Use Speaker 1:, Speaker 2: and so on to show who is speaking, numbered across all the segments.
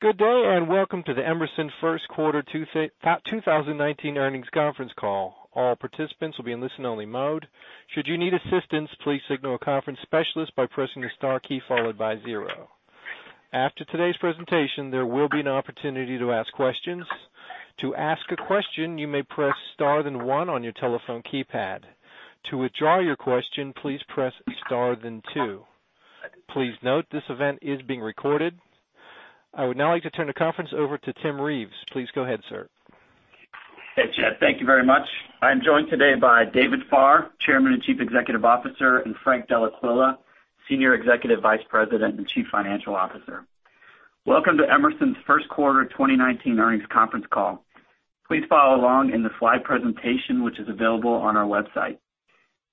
Speaker 1: Good day, and welcome to the Emerson first quarter 2019 earnings conference call. All participants will be in listen only mode. Should you need assistance, please signal a conference specialist by pressing the star key followed by zero. After today's presentation, there will be an opportunity to ask questions. To ask a question, you may press star, then one on your telephone keypad. To withdraw your question, please press star, then two. Please note, this event is being recorded. I would now like to turn the conference over to Tim Reeves. Please go ahead, sir.
Speaker 2: Hey, Chad. Thank you very much. I am joined today by David Farr, Chairman and Chief Executive Officer, and Frank Dellaquila, Senior Executive Vice PResident and Chief Financial Officer. Welcome to Emerson's first quarter 2019 earnings conference call. Please follow along in the slide presentation which is available on our website.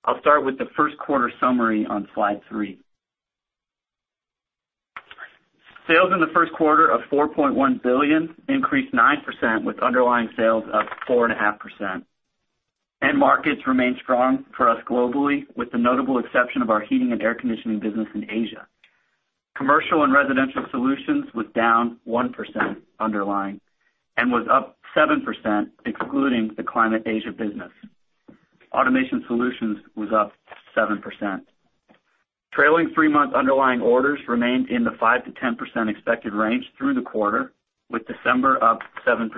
Speaker 2: I will start with the first quarter summary on slide three. Sales in the first quarter of $4.1 billion, increased 9% with underlying sales up 4.5%. End markets remain strong for us globally, with the notable exception of our heating and air conditioning business in Asia. Commercial & Residential Solutions was down 1% underlying and was up 7% excluding the climate Asia business. Automation Solutions was up 7%. Trailing three-month underlying orders remained in the 5%-10% expected range through the quarter, with December up 7%.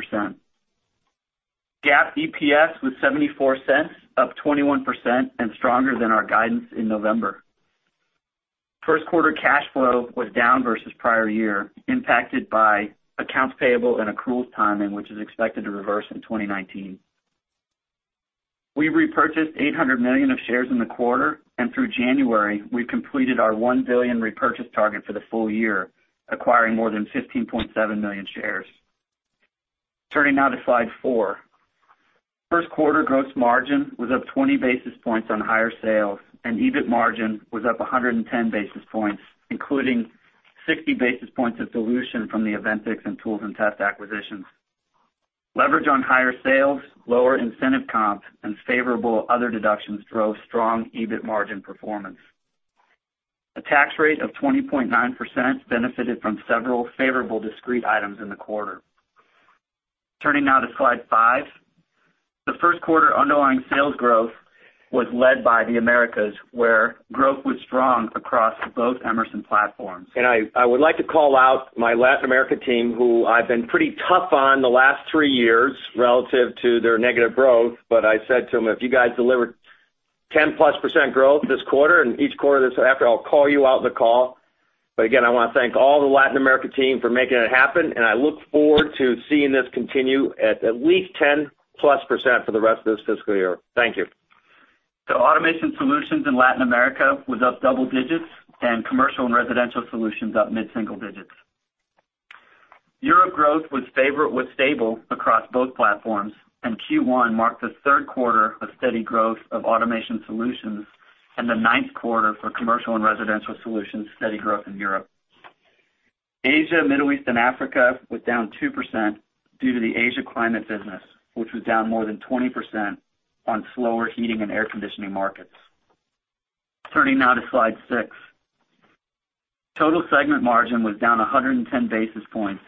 Speaker 2: GAAP EPS was $0.74, up 21%, and stronger than our guidance in November. First quarter cash flow was down versus prior year, impacted by accounts payable and accruals timing, which is expected to reverse in 2019. We repurchased $800 million of shares in the quarter, and through January, we completed our $1 billion repurchase target for the full year, acquiring more than 15.7 million shares. Turning now to slide four. First quarter gross margin was up 20 basis points on higher sales, and EBIT margin was up 110 basis points, including 60 basis points of dilution from the AVENTICS and Tools & Test acquisitions. Leverage on higher sales, lower incentive comp, and favorable other deductions drove strong EBIT margin performance. A tax rate of 20.9% benefited from several favorable discrete items in the quarter. Turning now to slide five. The first quarter underlying sales growth was led by the Americas, where growth was strong across both Emerson platforms.
Speaker 3: I would like to call out my Latin America team, who I've been pretty tough on the last three years relative to their negative growth. I said to them, "If you guys deliver 10+% growth this quarter and each quarter that's after, I'll call you out in the call." Again, I want to thank all the Latin America team for making it happen, and I look forward to seeing this continue at least 10+% for the rest of this fiscal year. Thank you.
Speaker 2: Automation Solutions in Latin America was up double digits, and Commercial & Residential Solutions up mid-single digits. Europe growth was stable across both platforms, and Q1 marked the third quarter of steady growth of Automation Solutions and the ninth quarter for Commercial & Residential Solutions steady growth in Europe. Asia, Middle East, and Africa was down two % due to the Asia climate business, which was down more than 20% on slower heating and air conditioning markets. Turning now to slide six. Total segment margin was down 110 basis points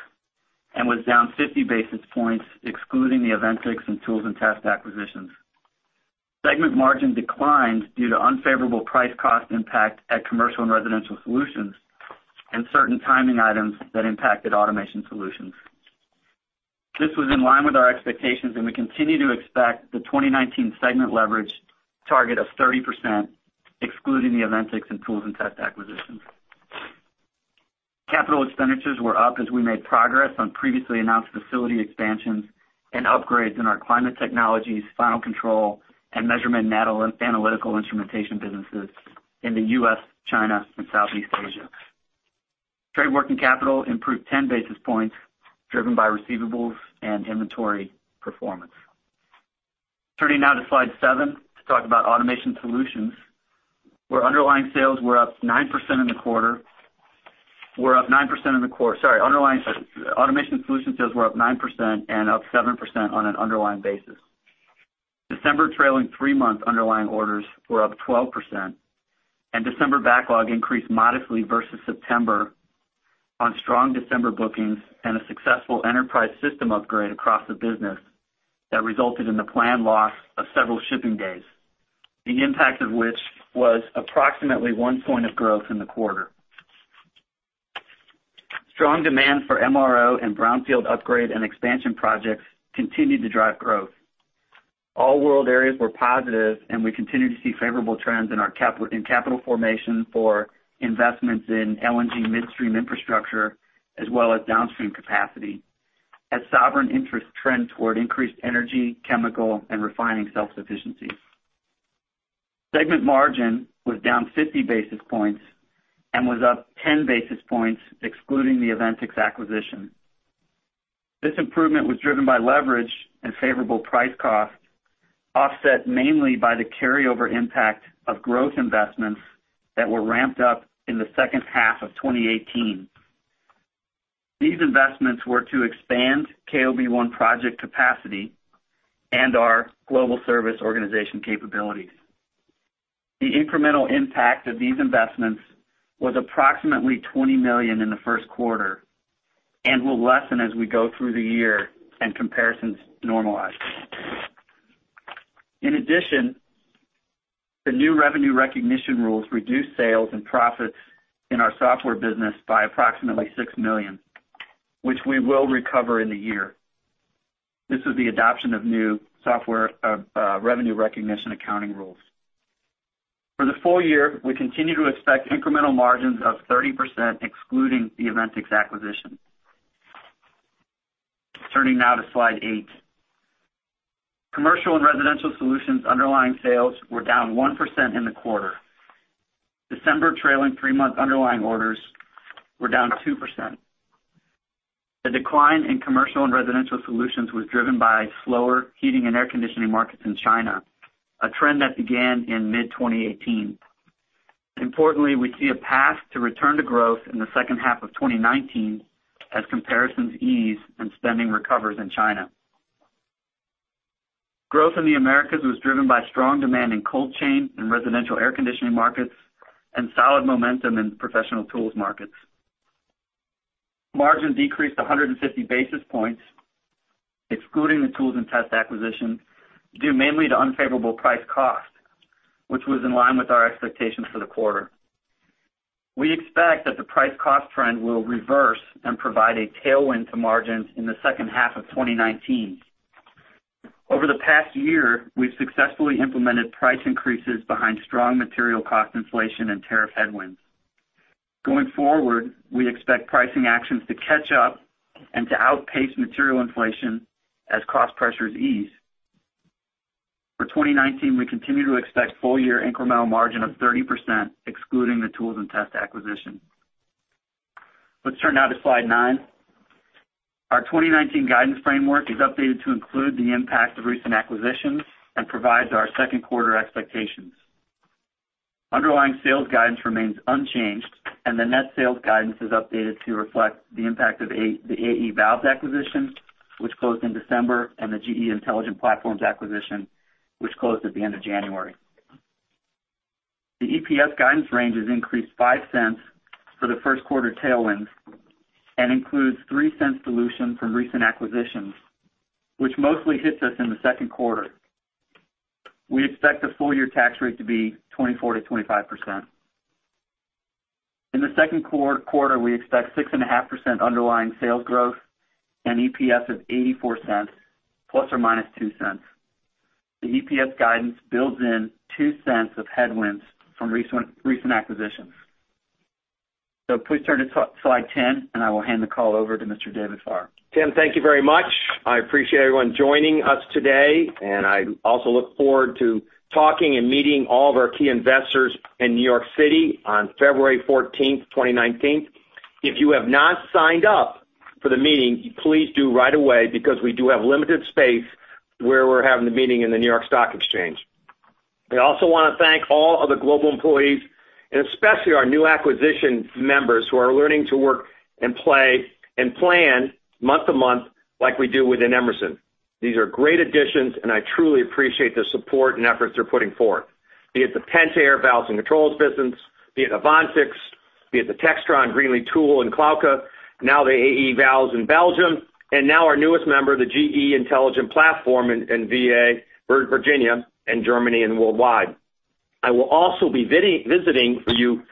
Speaker 2: and was down 50 basis points excluding the AVENTICS and Tools & Test acquisitions. Segment margin declined due to unfavorable price cost impact at Commercial & Residential Solutions and certain timing items that impacted Automation Solutions. This was in line with our expectations. We continue to expect the 2019 segment leverage target of 30%, excluding the AVENTICS and Tools & Test acquisitions. Capital expenditures were up as we made progress on previously announced facility expansions and upgrades in our Climate Technologies, Final Control, and Measurement and Analytical Instrumentation businesses in the U.S., China, and Southeast Asia. Trade working capital improved ten basis points, driven by receivables and inventory performance. Turning now to slide seven to talk about Automation Solutions, where underlying sales were up nine % in the quarter. Sorry. Automation Solutions sales were up 9% and up 7% on an underlying basis. December trailing three-month underlying orders were up 12%. December backlog increased modestly versus September on strong December bookings and a successful enterprise system upgrade across the business that resulted in the planned loss of several shipping days, the impact of which was approximately one point of growth in the quarter. Strong demand for MRO and brownfield upgrade and expansion projects continued to drive growth. All world areas were positive. We continue to see favorable trends in capital formation for investments in LNG midstream infrastructure, as well as downstream capacity, as sovereign interests trend toward increased energy, chemical, and refining self-sufficiency. Segment margin was down 50 basis points and was up ten basis points excluding the AVENTICS acquisition. This improvement was driven by leverage and favorable price cost, offset mainly by the carryover impact of growth investments that were ramped up in the second half of 2018. These investments were to expand KOB one project capacity and our global service organization capabilities. The incremental impact of these investments was approximately $20 million in the first quarter and will lessen as we go through the year and comparisons normalize. In addition, the new revenue recognition rules reduced sales and profits in our software business by approximately $6 million, which we will recover in the year. This is the adoption of new software revenue recognition accounting rules. For the full year, we continue to expect incremental margins of 30%, excluding the AVENTICS acquisition. Turning now to slide eight. Commercial & Residential Solutions underlying sales were down 1% in the quarter. December trailing three-month underlying orders were down 2%. The decline in Commercial & Residential Solutions was driven by slower heating and air conditioning markets in China, a trend that began in mid-2018. Importantly, we see a path to return to growth in the second half of 2019 as comparisons ease and spending recovers in China. Growth in the Americas was driven by strong demand in cold chain and Residential air conditioning markets and solid momentum in professional tools markets. Margin decreased 150 basis points, excluding the Tools & Test acquisition, due mainly to unfavorable price cost, which was in line with our expectations for the quarter. We expect that the price cost trend will reverse and provide a tailwind to margins in the second half of 2019. Over the past year, we've successfully implemented price increases behind strong material cost inflation and tariff headwinds. Going forward, we expect pricing actions to catch up and to outpace material inflation as cost pressures ease. For 2019, we continue to expect full year incremental margin of 30%, excluding the Tools & Test acquisition. Let's turn now to slide nine. Our 2019 guidance framework is updated to include the impact of recent acquisitions and provides our second quarter expectations. Underlying sales guidance remains unchanged, and the net sales guidance is updated to reflect the impact of the AE Valves acquisition, which closed in December, and the GE Intelligent Platforms acquisition, which closed at the end of January. The EPS guidance range is increased $0.05 for the first quarter tailwinds and includes $0.03 dilution from recent acquisitions, which mostly hits us in the second quarter. We expect the full year tax rate to be 24%-25%. In the second quarter, we expect 6.5% underlying sales growth and EPS of $0.84, ±$0.02. The EPS guidance builds in $0.02 of headwinds from recent acquisitions. Please turn to slide 10, and I will hand the call over to Mr. David Farr.
Speaker 3: Tim, thank you very much. I appreciate everyone joining us today. I also look forward to talking and meeting all of our key investors in New York City on February 14th, 2019. If you have not signed up for the meeting, please do right away because we do have limited space where we're having the meeting in the New York Stock Exchange. I also want to thank all of the global employees, and especially our new acquisition members who are learning to work and play and plan month to month like we do within Emerson. These are great additions. I truly appreciate the support and efforts they're putting forth, be it the Pentair Valves & Controls business, be it AVENTICS, be it the Textron Greenlee and Klauke, now the AE Valves in Belgium, and now our newest member, the GE Intelligent Platforms in V.A., Virginia, and Germany and worldwide. I will also be visiting for you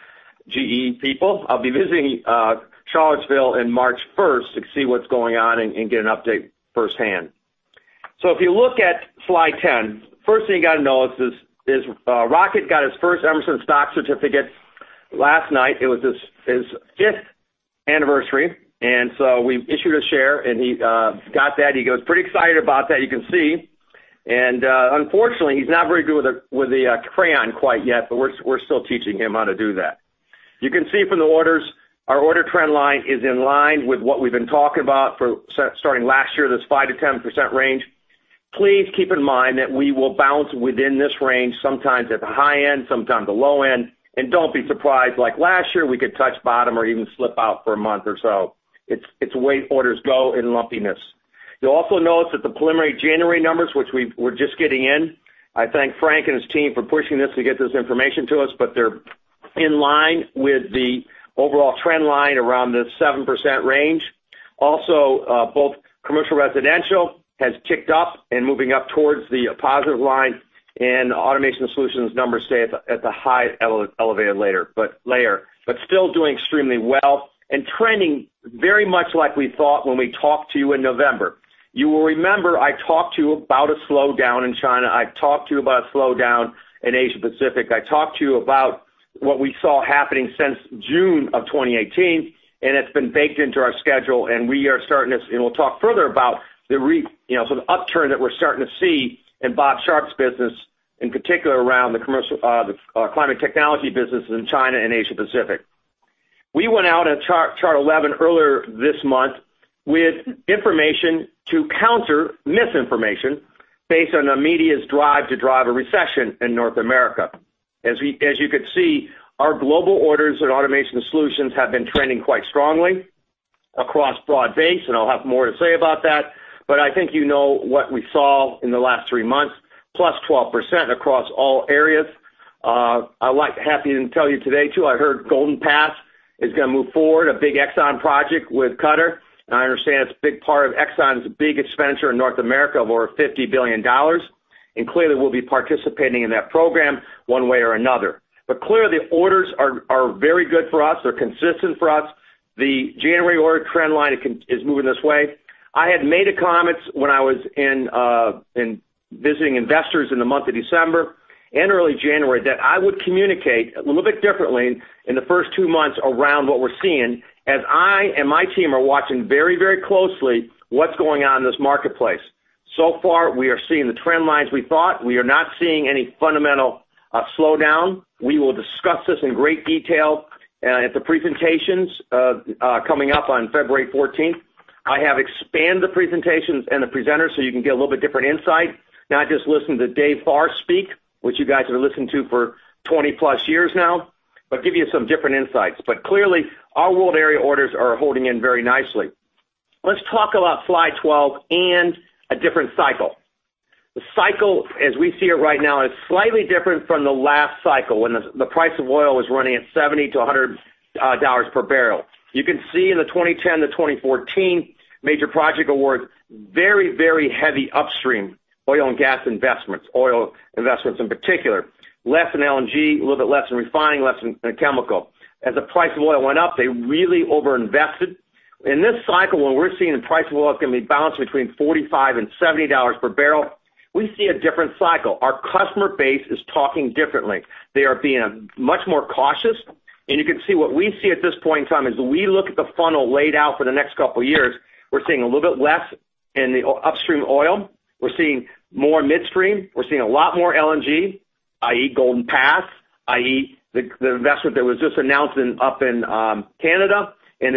Speaker 3: GE people. I'll be visiting Charlottesville in March first to see what's going on and get an update firsthand. If you look at slide 10, first thing you got to know is, Rocket got his first Emerson stock certificate last night. It was his fifth anniversary. We issued a share, and he got that. He was pretty excited about that, you can see. Unfortunately, he's not very good with the crayon quite yet, but we're still teaching him how to do that. You can see from the orders, our order trend line is in line with what we've been talking about starting last year, this 5%-10% range. Please keep in mind that we will bounce within this range, sometimes at the high end, sometimes the low end. Don't be surprised, like last year, we could touch bottom or even slip out for a month or so. It's the way orders go in lumpiness. You'll also notice that the preliminary January numbers, which we're just getting in, I thank Frank and his team for pushing this to get this information to us, but they're in line with the overall trend line around the 7% range. Both Commercial Residential has ticked up and moving up towards the positive line, and Automation Solutions numbers stay at the high elevated layer. Still doing extremely well and trending very much like we thought when we talked to you in November. You will remember I talked to you about a slowdown in China. I talked to you about a slowdown in Asia Pacific. I talked to you about what we saw happening since June of 2018. It's been baked into our schedule, and we are starting this. We'll talk further about the sort of upturn that we're starting to see in Bob Sharp's business, in particular around the Climate Technologies businesses in China and Asia Pacific. We went out on chart 11 earlier this month with information to counter misinformation based on the media's drive to drive a recession in North America. As you could see, our global orders and Automation Solutions have been trending quite strongly across broad base. I'll have more to say about that, but I think you know what we saw in the last three months, plus 12% across all areas. I'm happy to tell you today too, I heard Golden Pass is going to move forward, a big ExxonMobil project with Qatar. I understand it's a big part of ExxonMobil's big expenditure in North America of over $50 billion. Clearly, we'll be participating in that program one way or another. Clearly, orders are very good for us. They're consistent for us. The January order trend line is moving this way. I had made comments when I was visiting investors in the month of December and early January, that I would communicate a little bit differently in the first two months around what we're seeing, as I and my team are watching very closely what's going on in this marketplace. So far, we are seeing the trend lines we thought. We are not seeing any fundamental slowdown. We will discuss this in great detail at the presentations coming up on February 14th. I have expanded the presentations and the presenters so you can get a little bit different insight, not just listen to Dave Farr speak, which you guys have listened to for 20-plus years now, but give you some different insights. Clearly, our world area orders are holding in very nicely. Let's talk about Slide 12 and a different cycle. The cycle, as we see it right now, is slightly different from the last cycle when the price of oil was running at $70-$100 per barrel. You can see in the 2010-2014 major project awards, very heavy upstream oil and gas investments, oil investments in particular. Less in LNG, a little bit less in refining, less in chemical. As the price of oil went up, they really over-invested. In this cycle, when we're seeing the price of oil is going to be balanced between $45-$70 per barrel, we see a different cycle. Our customer base is talking differently. They are being much more cautious, and you can see what we see at this point in time is we look at the funnel laid out for the next couple of years. We're seeing a little bit less in the upstream oil. We're seeing more midstream. We're seeing a lot more LNG, i.e., Golden Pass, i.e., the investment that was just announced up in Canada and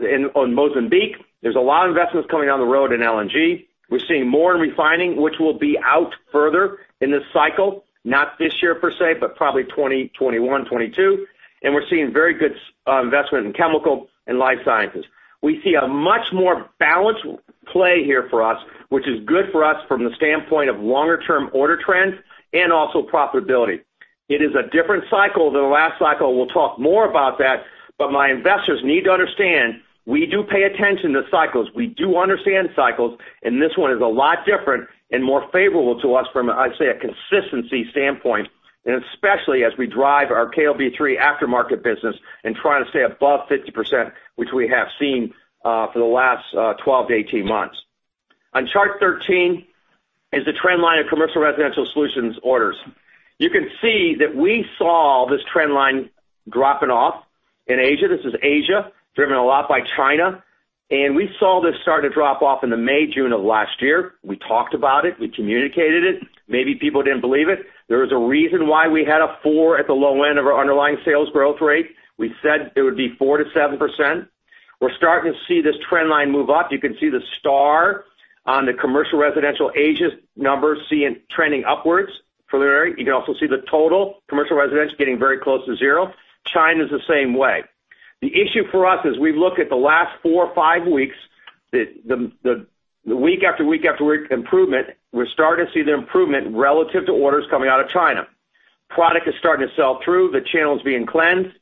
Speaker 3: in Mozambique. There's a lot of investments coming down the road in LNG. We're seeing more in refining, which will be out further in this cycle, not this year per se, but probably 2020, 2021, 2022. We're seeing very good investment in chemical and life sciences. We see a much more balanced play here for us, which is good for us from the standpoint of longer-term order trends and also profitability. It is a different cycle than the last cycle. We'll talk more about that, but my investors need to understand, we do pay attention to cycles. We do understand cycles, and this one is a lot different and more favorable to us from, I'd say, a consistency standpoint, and especially as we drive our KOB III aftermarket business and try to stay above 50%, which we have seen for the last 12-18 months. On chart 13 is the trend line of Commercial & Residential Solutions orders. You can see that we saw this trend line dropping off in Asia. This is Asia, driven a lot by China. We saw this start to drop off in the May, June of last year. We talked about it. We communicated it. Maybe people didn't believe it. There was a reason why we had a four at the low end of our underlying sales growth rate. We said it would be 4%-7%. We're starting to see this trend line move up. You can see the star on the Commercial & Residential Solutions Asia numbers trending upwards for the area. You can also see the total Commercial & Residential Solutions getting very close to zero. China's the same way. The issue for us is we look at the last four or five weeks, the week after week after week improvement, we're starting to see the improvement relative to orders coming out of China. Product is starting to sell through, the channel's being cleansed,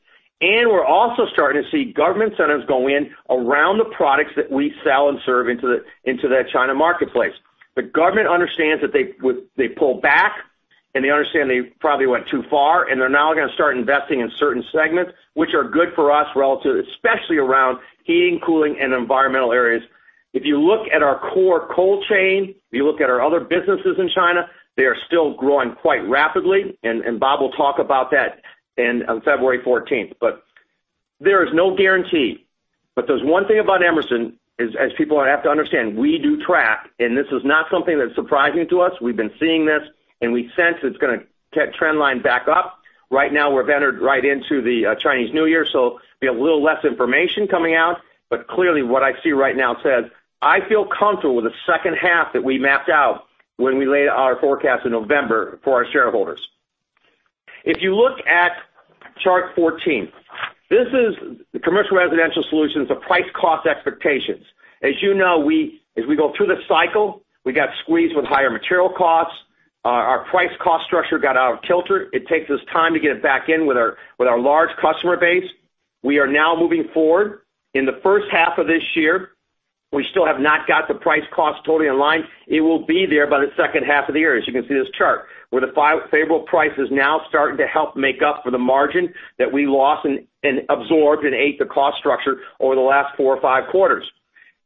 Speaker 3: and we're also starting to see government centers go in around the products that we sell and serve into that China marketplace. The government understands that they pulled back, and they understand they probably went too far, and they're now going to start investing in certain segments, which are good for us relative, especially around heating, cooling, and environmental areas. If you look at our core cold chain, if you look at our other businesses in China, they are still growing quite rapidly, and Bob will talk about that on February 14th. There is no guarantee. But there's one thing about Emerson, as people have to understand, we do track, and this is not something that's surprising to us. We've been seeing this, and we sense it's going to trend line back up. Right now, we've entered right into the Chinese New Year, so we have a little less information coming out. But clearly, what I see right now says I feel comfortable with the second half that we mapped out when we laid our forecast in November for our shareholders. If you look at chart 14, this is the Commercial & Residential Solutions, the price cost expectations. As you know, as we go through the cycle, we got squeezed with higher material costs. Our price cost structure got out of kilter. It takes us time to get it back in with our large customer base. We are now moving forward. In the first half of this year, we still have not got the price cost totally in line. It will be there by the second half of the year, as you can see this chart, where the favorable price is now starting to help make up for the margin that we lost and absorbed and ate the cost structure over the last four or five quarters.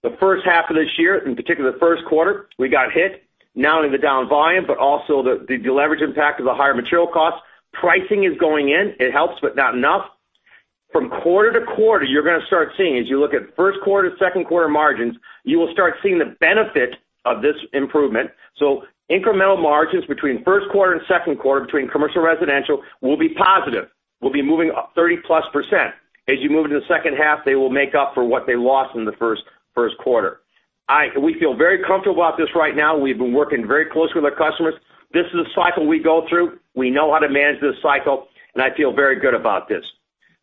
Speaker 3: The first half of this year, in particular the first quarter, we got hit, not only the down volume, but also the deleverage impact of the higher material cost. Pricing is going in. It helps, but not enough. From quarter to quarter, you're going to start seeing, as you look at first quarter, second quarter margins, you will start seeing the benefit of this improvement. Incremental margins between first quarter and second quarter, between Commercial Residential, will be positive, will be moving up 30-plus %. As you move into the second half, they will make up for what they lost in the first quarter. We feel very comfortable about this right now. We've been working very closely with our customers. This is a cycle we go through. We know how to manage this cycle, and I feel very good about this.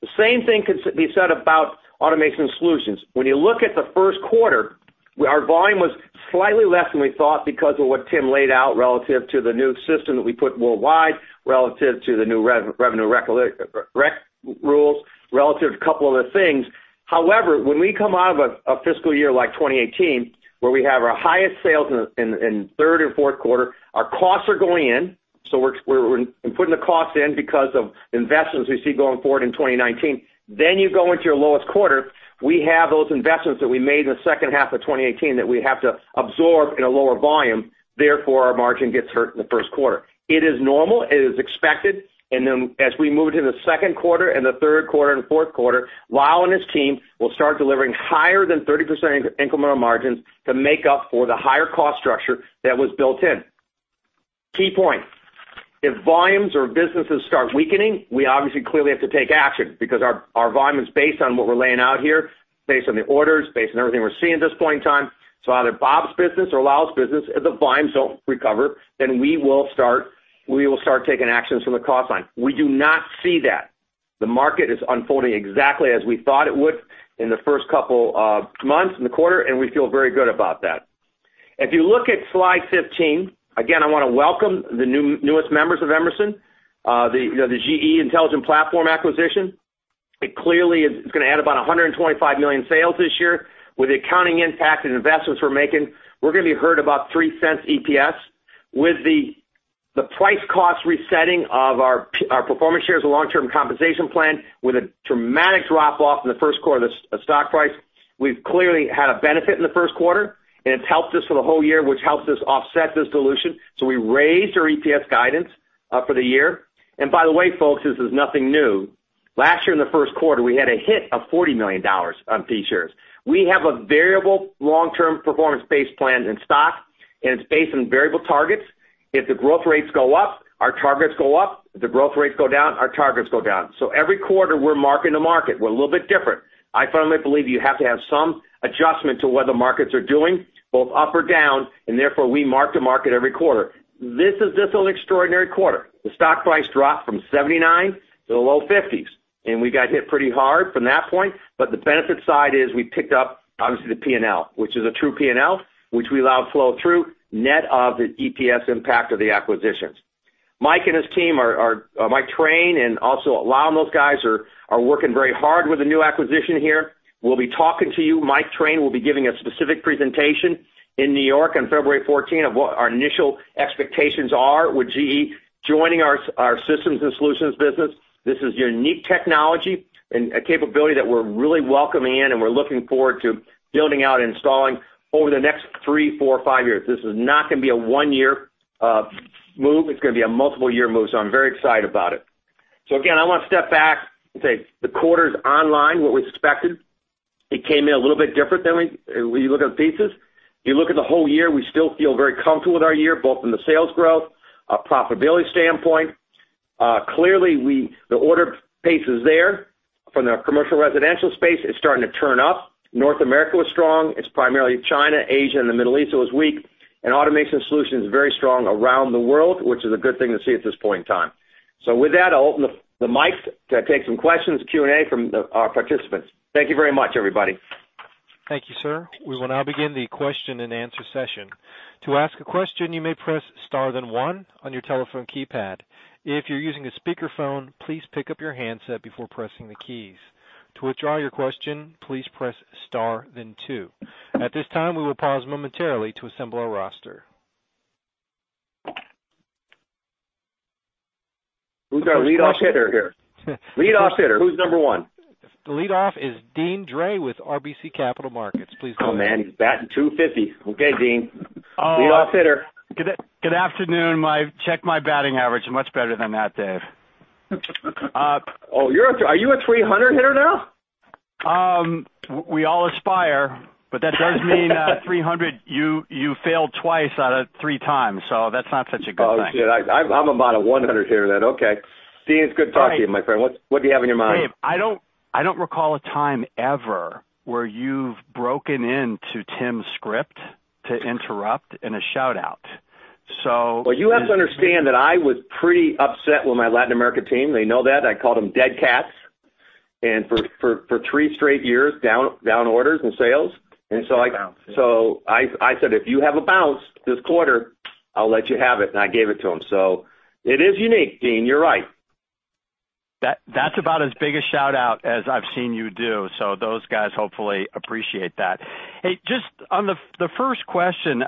Speaker 3: The same thing could be said about Automation Solutions. When you look at the first quarter, our volume was slightly less than we thought because of what Tim laid out relative to the new system that we put worldwide, relative to the new revenue rec rules, relative to a couple other things. However, when we come out of a fiscal year like 2018, where we have our highest sales in third and fourth quarter, our costs are going in. We're putting the costs in because of investments we see going forward in 2019. You go into your lowest quarter. We have those investments that we made in the second half of 2018 that we have to absorb in a lower volume. Therefore, our margin gets hurt in the first quarter. It is normal, it is expected. As we move into the second quarter and the third quarter and fourth quarter, Lyle and his team will start delivering higher than 30% incremental margins to make up for the higher cost structure that was built in. Key point. If volumes or businesses start weakening, we obviously clearly have to take action because our volume is based on what we're laying out here, based on the orders, based on everything we're seeing at this point in time. Either Bob's business or Lyle's business, if the volumes don't recover, we will start taking actions from the cost line. We do not see that. The market is unfolding exactly as we thought it would in the first couple of months in the quarter, and we feel very good about that. If you look at slide 15, again, I want to welcome the newest members of Emerson, the GE Intelligent Platforms acquisition. It clearly is going to add about $125 million sales this year. With the accounting impact and investments we're making, we're going to be hurt about $0.03 EPS. With the price cost resetting of our performance shares and long-term compensation plan, with a dramatic drop-off in the first quarter of the stock price, we've clearly had a benefit in the first quarter, and it's helped us for the whole year, which helps us offset this dilution. We raised our EPS guidance for the year. By the way, folks, this is nothing new. Last year in the first quarter, we had a hit of $40 million on P-shares. We have a variable long-term performance-based plan in stock, and it's based on variable targets. If the growth rates go up, our targets go up. If the growth rates go down, our targets go down. Every quarter, we're marking the market. We're a little bit different. I firmly believe you have to have some adjustment to what the markets are doing, both up or down, and therefore, we mark the market every quarter. This is just an extraordinary quarter. The stock price dropped from $79 to the low $50s, and we got hit pretty hard from that point. The benefit side is we picked up obviously the P&L, which is a true P&L, which we allow to flow through net of the EPS impact of the acquisitions. Mike and his team, Mike Train and also Lyle and those guys, are working very hard with the new acquisition here. We'll be talking to you. Mike Train will be giving a specific presentation in New York on February 14 of what our initial expectations are with GE joining our Systems and Solutions business. This is unique technology and a capability that we're really welcoming in, and we're looking forward to building out and installing over the next three, four, five years. This is not going to be a one-year move. It's going to be a multiple year move. I'm very excited about it. Again, I want to step back and say the quarter's online, what we expected. It came in a little bit different when you look at the pieces. If you look at the whole year, we still feel very comfortable with our year, both in the sales growth, profitability standpoint. Clearly, the order pace is there from the commercial Residential space. It's starting to turn up. North America was strong. It's primarily China, Asia, and the Middle East that was weak. Automation Solutions is very strong around the world, which is a good thing to see at this point in time. With that, I'll open the mic to take some questions, Q&A from our participants. Thank you very much, everybody.
Speaker 1: Thank you, sir. We will now begin the question-and-answer session. To ask a question, you may press star then one on your telephone keypad. If you're using a speakerphone, please pick up your handset before pressing the keys. To withdraw your question, please press star then two. At this time, we will pause momentarily to assemble our roster.
Speaker 3: Who's our leadoff hitter here? Leadoff hitter. Who's number one?
Speaker 1: The leadoff is Deane Dray with RBC Capital Markets. Please go ahead.
Speaker 3: Oh, man, he's batting 250. Okay, Deane. Leadoff hitter.
Speaker 4: Good afternoon. Checked my batting average. Much better than that, Dave.
Speaker 3: Oh, are you a 300 hitter now?
Speaker 4: We all aspire, that does mean 300, you failed twice out of three times, that's not such a good thing.
Speaker 3: Oh, shit. I'm about a 100 hitter. Okay. Deane, it's good talking to you, my friend. What do you have on your mind?
Speaker 4: Dave, I don't recall a time ever where you've broken into Tim's script to interrupt in a shout-out.
Speaker 3: Well, you have to understand that I was pretty upset with my Latin America team. They know that. I called them dead cats. For three straight years, down orders and sales. I said, "If you have a bounce this quarter, I'll let you have it," and I gave it to them. It is unique, Deane, you're right.
Speaker 4: That's about as big a shout-out as I've seen you do. Those guys hopefully appreciate that. Hey, just on the first question,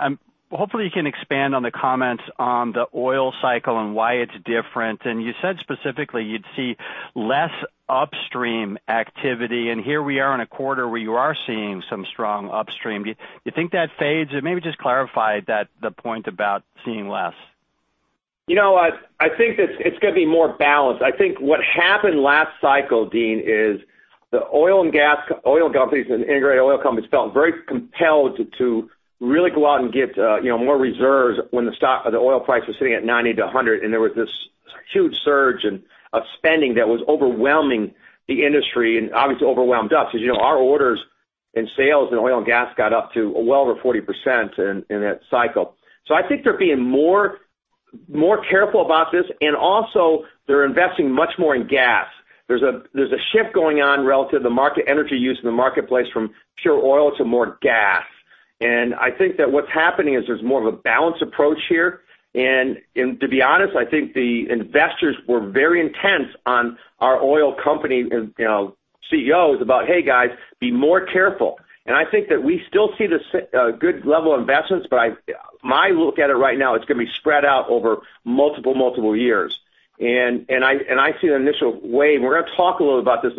Speaker 4: hopefully you can expand on the comments on the oil cycle and why it's different. You said specifically you'd see less upstream activity, and here we are in a quarter where you are seeing some strong upstream. Do you think that fades? Maybe just clarify the point about seeing less.
Speaker 3: You know what? I think it's going to be more balanced. I think what happened last cycle, Deane, is the oil and gas, oil companies and integrated oil companies felt very compelled to really go out and get more reserves when the stock or the oil price was sitting at $90-$100, and there was this huge surge of spending that was overwhelming the industry, and obviously overwhelmed us. Because our orders in sales in oil and gas got up to well over 40% in that cycle. I think they're being more careful about this, and also they're investing much more in gas. There's a shift going on relative to energy use in the marketplace from pure oil to more gas. I think that what's happening is there's more of a balanced approach here. To be honest, I think the investors were very intense on our oil company CEOs about, "Hey, guys, be more careful." I think that we still see this good level of investments, but my look at it right now, it's going to be spread out over multiple years. I see the initial wave, and we're going to talk a little about this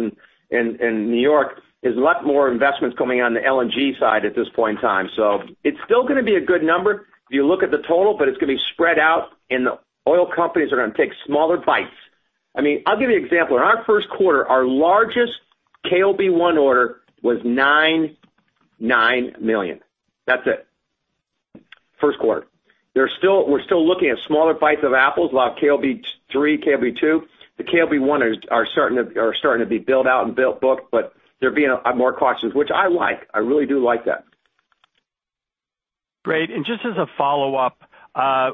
Speaker 3: in New York, there's a lot more investments coming on the LNG side at this point in time. It's still going to be a good number if you look at the total, but it's going to be spread out, and the oil companies are going to take smaller bites. I'll give you an example. In our first quarter, our largest KOB-1 order was $9 million. That's it. 1st quarter. We're still looking at smaller bites of apples, a lot of KOB-3, KOB-2. The KOB-1 are starting to be built out and built booked, but they're being a lot more cautious, which I like. I really do like that.
Speaker 4: Great. Just as a follow-up,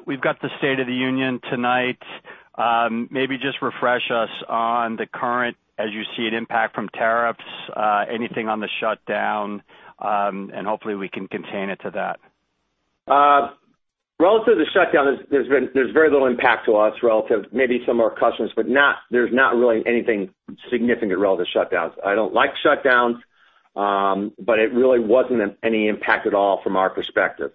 Speaker 4: we've got the State of the Union tonight. Maybe just refresh us on the current, as you see it, impact from tariffs, anything on the shutdown, and hopefully we can contain it to that.
Speaker 3: Relative to the shutdown, there's very little impact to us relative, maybe some of our customers, but there's not really anything significant relative to shutdowns. I don't like shutdowns, but it really wasn't any impact at all from our perspective.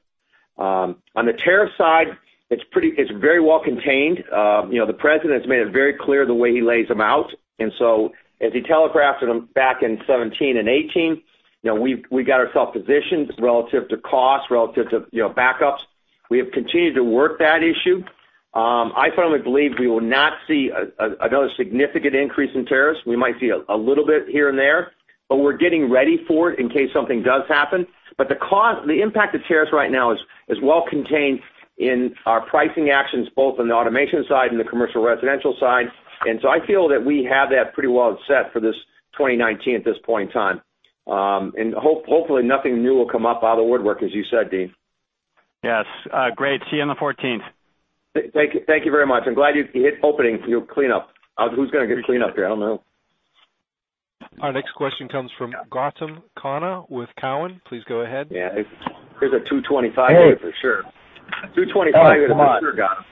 Speaker 3: On the tariff side, it's very well contained. The pResident's made it very clear the way he lays them out, so as he telegraphed them back in 2017 and 2018, we got ourself positioned relative to cost, relative to backups. We have continued to work that issue. I firmly believe we will not see another significant increase in tariffs. We might see a little bit here and there, but we're getting ready for it in case something does happen. The impact of tariffs right now is well contained in our pricing actions, both on the automation side and the commercial Residential side. I feel that we have that pretty well set for this 2019 at this point in time. Hopefully nothing new will come up out of the woodwork, as you said, Deane.
Speaker 4: Yes. Great to see you on the 14th.
Speaker 3: Thank you very much. I'm glad you hit opening for your cleanup. Who's going to get cleanup here? I don't know.
Speaker 1: Our next question comes from Gautam Khanna with Cowen. Please go ahead.
Speaker 3: Yeah. There's a 225 way for sure. 225 way with a sure, Gautam.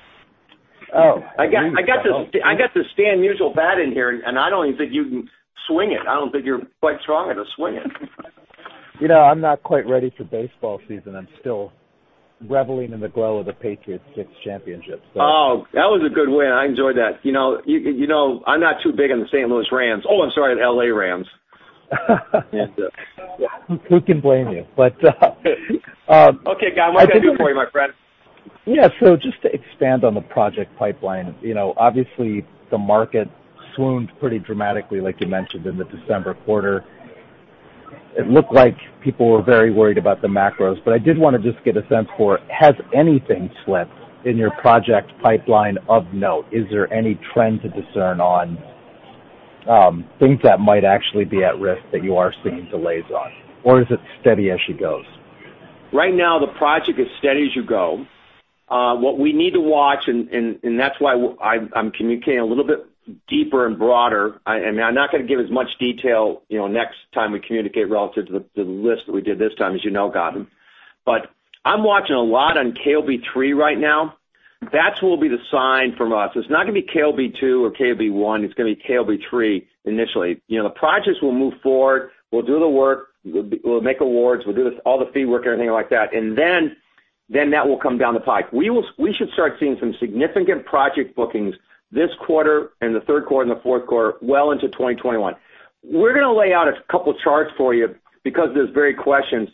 Speaker 5: Oh.
Speaker 3: I got the Stan Musial bat in here. I don't even think you can swing it. I don't think you're quite strong enough to swing it.
Speaker 5: You know, I'm not quite ready for baseball season. I'm still reveling in the glow of the Patriots sixth championship.
Speaker 3: That was a good win. I enjoyed that. I'm not too big on the St. Louis Rams. I'm sorry, the L.A. Rams.
Speaker 5: Yeah. Who can blame you?
Speaker 3: Okay, Gautam, what can I do for you, my friend?
Speaker 5: Just to expand on the project pipeline, obviously the market swooned pretty dramatically, like you mentioned in the December quarter. It looked like people were very worried about the macros, but I did want to just get a sense for, has anything slipped in your project pipeline of note? Is there any trend to discern on things that might actually be at risk that you are seeing delays on? Or is it steady as she goes?
Speaker 3: Right now, the project is steady as you go. What we need to watch, and that's why I'm communicating a little bit deeper and broader. I'm not going to give as much detail next time we communicate relative to the list that we did this time, as you know, Gautam. I'm watching a lot on KOB-3 right now. That's what will be the sign from us. It's not going to be KOB-2 or KOB-1. It's going to be KOB-3 initially. The projects will move forward. We'll do the work, we'll make awards, we'll do all the fee work, everything like that, and then that will come down the pipe. We should start seeing some significant project bookings this quarter and the third quarter and the fourth quarter well into 2021. We're going to lay out a couple charts for you because of this very question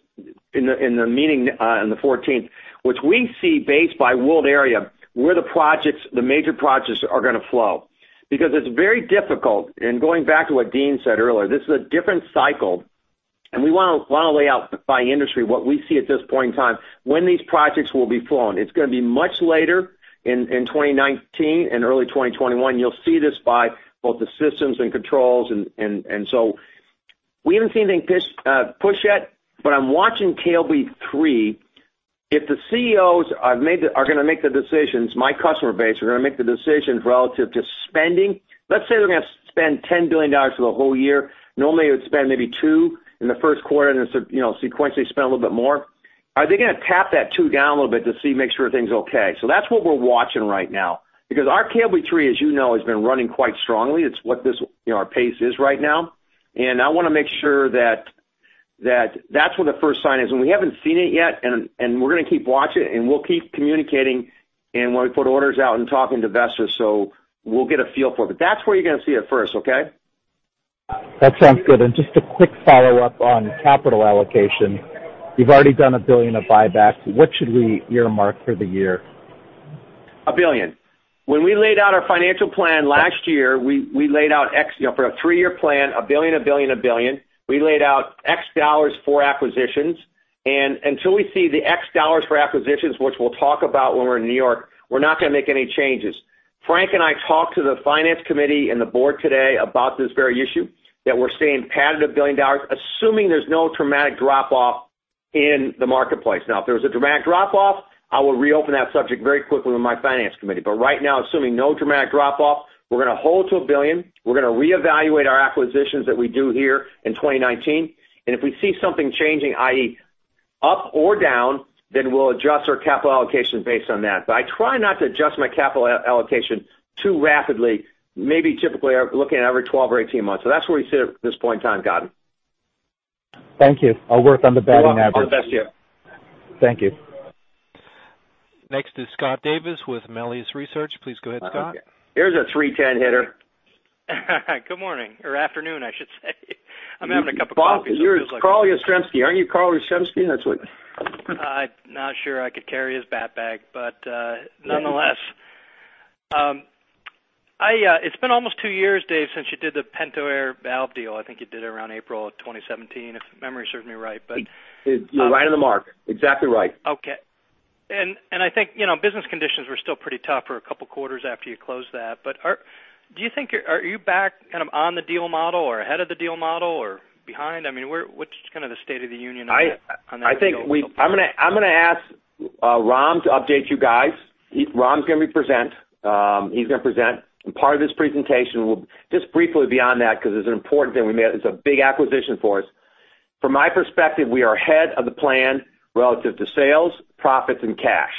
Speaker 3: in the meeting on the 14th, which we see based by world area, where the major projects are going to flow. It's very difficult. Going back to what Deane said earlier, this is a different cycle, and we want to lay out by industry what we see at this point in time when these projects will be flowing. It's going to be much later in 2019 and early 2021. You'll see this by both the systems and controls. We haven't seen anything push yet, but I'm watching KOB-3. If the CEOs are going to make the decisions, my customer base are going to make the decisions relative to spending. Let's say they're going to spend $10 billion for the whole year. Normally, it would spend maybe $2 billion in the first quarter, and sequentially spend a little bit more. Are they going to tap that $2 billion down a little bit to see, make sure everything's okay? That's what we're watching right now. Because our KOB-3, as you know, has been running quite strongly. It's what our pace is right now. I want to make sure that that's when the first sign is. We haven't seen it yet, and we're going to keep watching it, and we'll keep communicating, and when we put orders out and talking to investors, so we'll get a feel for it. That's where you're going to see it first, okay?
Speaker 5: That sounds good. Just a quick follow-up on capital allocation. You've already done $1 billion of buybacks. What should we earmark for the year?
Speaker 3: $1 billion. When we laid out our financial plan last year, we laid out for a three-year plan, $1 billion, $1 billion, $1 billion. We laid out X U.S.D for acquisitions. Until we see the X U.S.D for acquisitions, which we'll talk about when we're in New York, we're not going to make any changes. Frank and I talked to the finance committee and the board today about this very issue, that we're staying padded $1 billion, assuming there's no dramatic drop-off in the marketplace. If there was a dramatic drop-off, I would reopen that subject very quickly with my finance committee. Right now, assuming no dramatic drop-off, we're going to hold to $1 billion. We're going to reevaluate our acquisitions that we do here in 2019. If we see something changing, i.e., up or down, then we'll adjust our capital allocation based on that. I try not to adjust my capital allocation too rapidly, maybe typically looking at every 12 or 18 months. That's where we sit at this point in time, Gautam.
Speaker 5: Thank you. I'll work on the batting average.
Speaker 3: You're welcome. All the best to you.
Speaker 5: Thank you.
Speaker 1: Next is Scott Davis with Melius Research. Please go ahead, Scott.
Speaker 3: Here's a 310 hitter.
Speaker 6: Good morning or afternoon, I should say. I'm having a cup of coffee.
Speaker 3: You're Carl Yastrzemski. Aren't you Carl Yastrzemski?
Speaker 6: I'm not sure I could carry his bat bag, but nonetheless. It's been almost two years, Dave, since you did the Pentair Valve deal. I think you did it around April of 2017, if memory serves me right.
Speaker 3: You're right on the mark. Exactly right.
Speaker 6: Okay. I think, business conditions were still pretty tough for a couple of quarters after you closed that. Are you back kind of on the deal model or ahead of the deal model or behind? I mean, what's kind of the state of the union on that?
Speaker 3: I'm going to ask Ram to update you guys. Ram's going to present. He's going to present part of his presentation. Just briefly beyond that, because it's an important thing we made, it's a big acquisition for us. From my perspective, we are ahead of the plan relative to sales, profits, and cash.